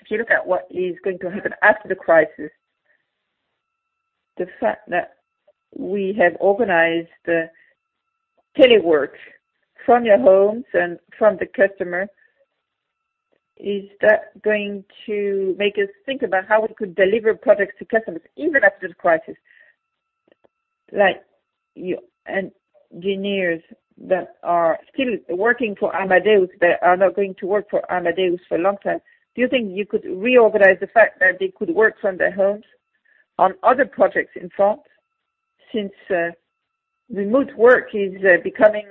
If you look at what is going to happen after the crisis, the fact that we have organized telework from your homes and from the customer, is that going to make us think about how we could deliver products to customers even after the crisis? Like engineers that are still working for Amadeus, but are not going to work for Amadeus for a long time. Do you think you could reorganize the fact that they could work from their homes on other projects in France, since remote work is becoming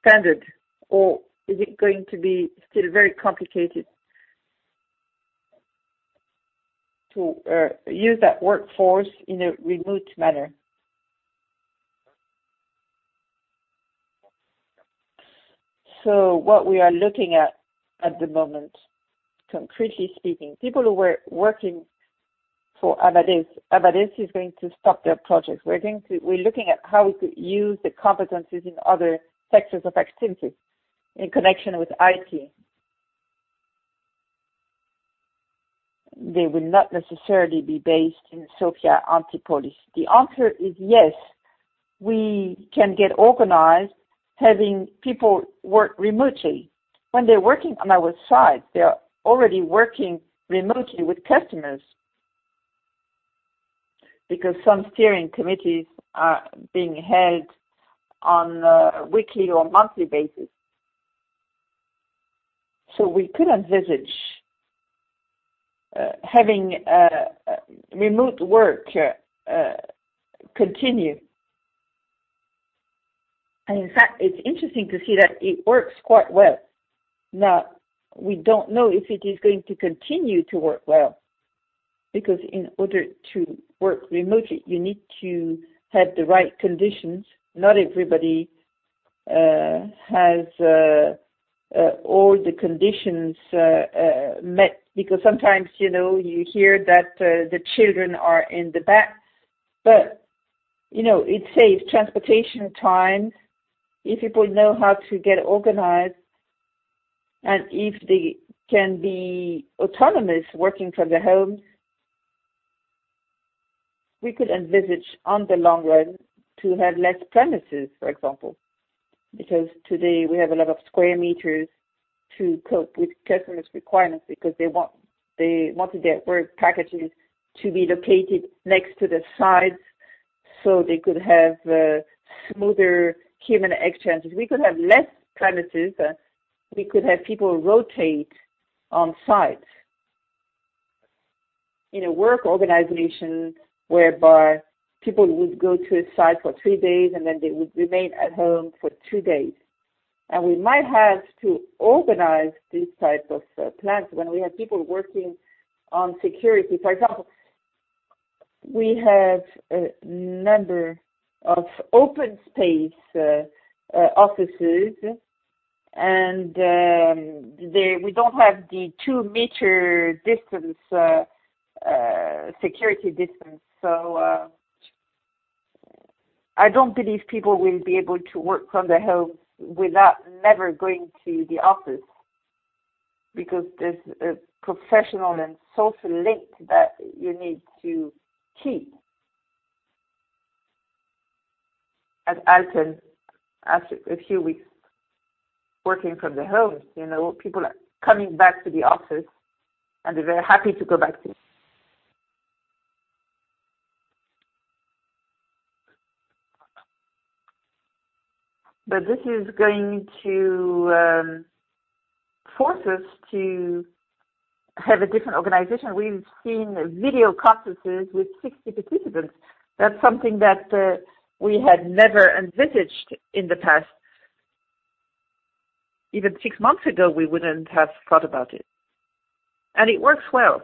standard? Or is it going to be still very complicated to use that workforce in a remote manner? What we are looking at the moment, concretely speaking, people who were working for Amadeus. Amadeus is going to stop their project. We're looking at how we could use the competencies in other sectors of activity in connection with IT. They will not necessarily be based in Sophia Antipolis. The answer is yes, we can get organized having people work remotely. When they're working on our site, they are already working remotely with customers. Because some steering committees are being held on a weekly or monthly basis. We could envisage having remote work continue. In fact, it's interesting to see that it works quite well. Now, we don't know if it is going to continue to work well, because in order to work remotely, you need to have the right conditions. Not everybody has all the conditions met, because sometimes, you hear that the children are in the back. It saves transportation time if people know how to get organized and if they can be autonomous working from their homes. We could envisage, on the long run, to have less premises, for example, because today we have a lot of square meters to cope with customers' requirements because they want their work packages to be located next to the sites so they could have smoother human exchanges. We could have less premises, we could have people rotate on site. In a work organization whereby people would go to a site for three days, and then they would remain at home for two days. We might have to organize these types of plans when we have people working on security. For example, we have a number of open space offices, and we don't have the two-meter security distance. I don't believe people will be able to work from their homes without never going to the office because there's a professional and social link that you need to keep. At Alten, after a few weeks working from their homes, people are coming back to the office and they're very happy to go back to. This is going to force us to have a different organization. We've seen video conferences with 60 participants. That's something that we had never envisaged in the past. Even six months ago, we wouldn't have thought about it. It works well.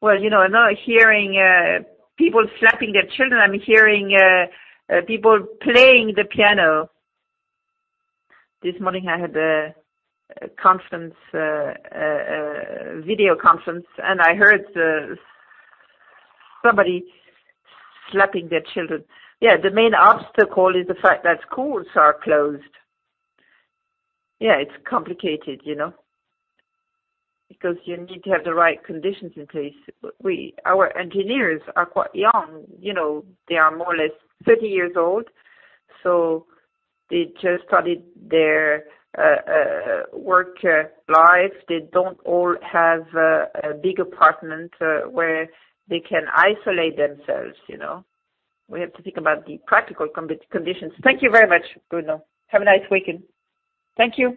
Well, I'm now hearing people slapping their children. I'm hearing people playing the piano. This morning I had a video conference. I heard somebody slapping their children. Yeah, the main obstacle is the fact that schools are closed. Yeah, it's complicated because you need to have the right conditions in place. Our engineers are quite young. They are more or less 30 years old. They just started their work life. They don't all have a big apartment where they can isolate themselves. We have to think about the practical conditions. Thank you very much, Bruno. Have a nice weekend. Thank you.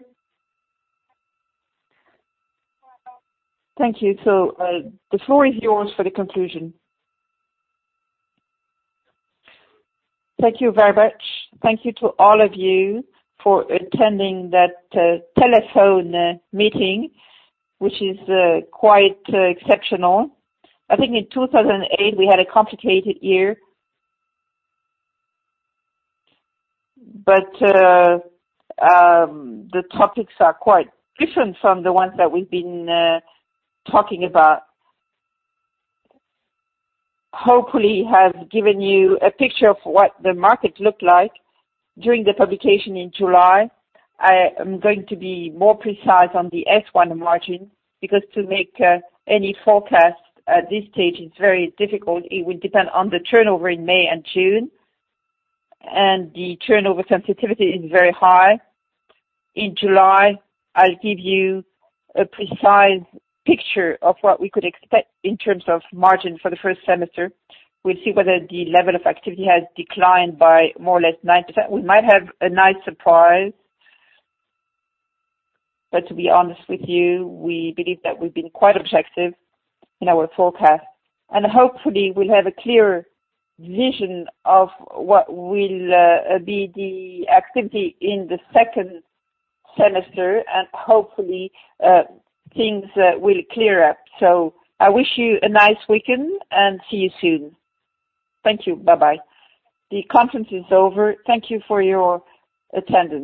Thank you. Bruno, the floor is yours for the conclusion. Thank you very much. Thank you to all of you for attending that telephone meeting, which is quite exceptional. I think in 2008, we had a complicated year. The topics are quite different from the ones that we've been talking about. Hopefully, I have given you a picture of what the market looked like during the publication in July. I am going to be more precise on the S1 margin because to make any forecast at this stage is very difficult. It will depend on the turnover in May and June. The turnover sensitivity is very high. In July, I'll give you a precise picture of what we could expect in terms of margin for the first semester. We'll see whether the level of activity has declined by more or less 9%. We might have a nice surprise. To be honest with you, we believe that we've been quite objective in our forecast, and hopefully, we'll have a clearer vision of what will be the activity in the second semester, and hopefully, things will clear up. I wish you a nice weekend and see you soon. Thank you. Bye-bye. The conference is over. Thank you for your attendance.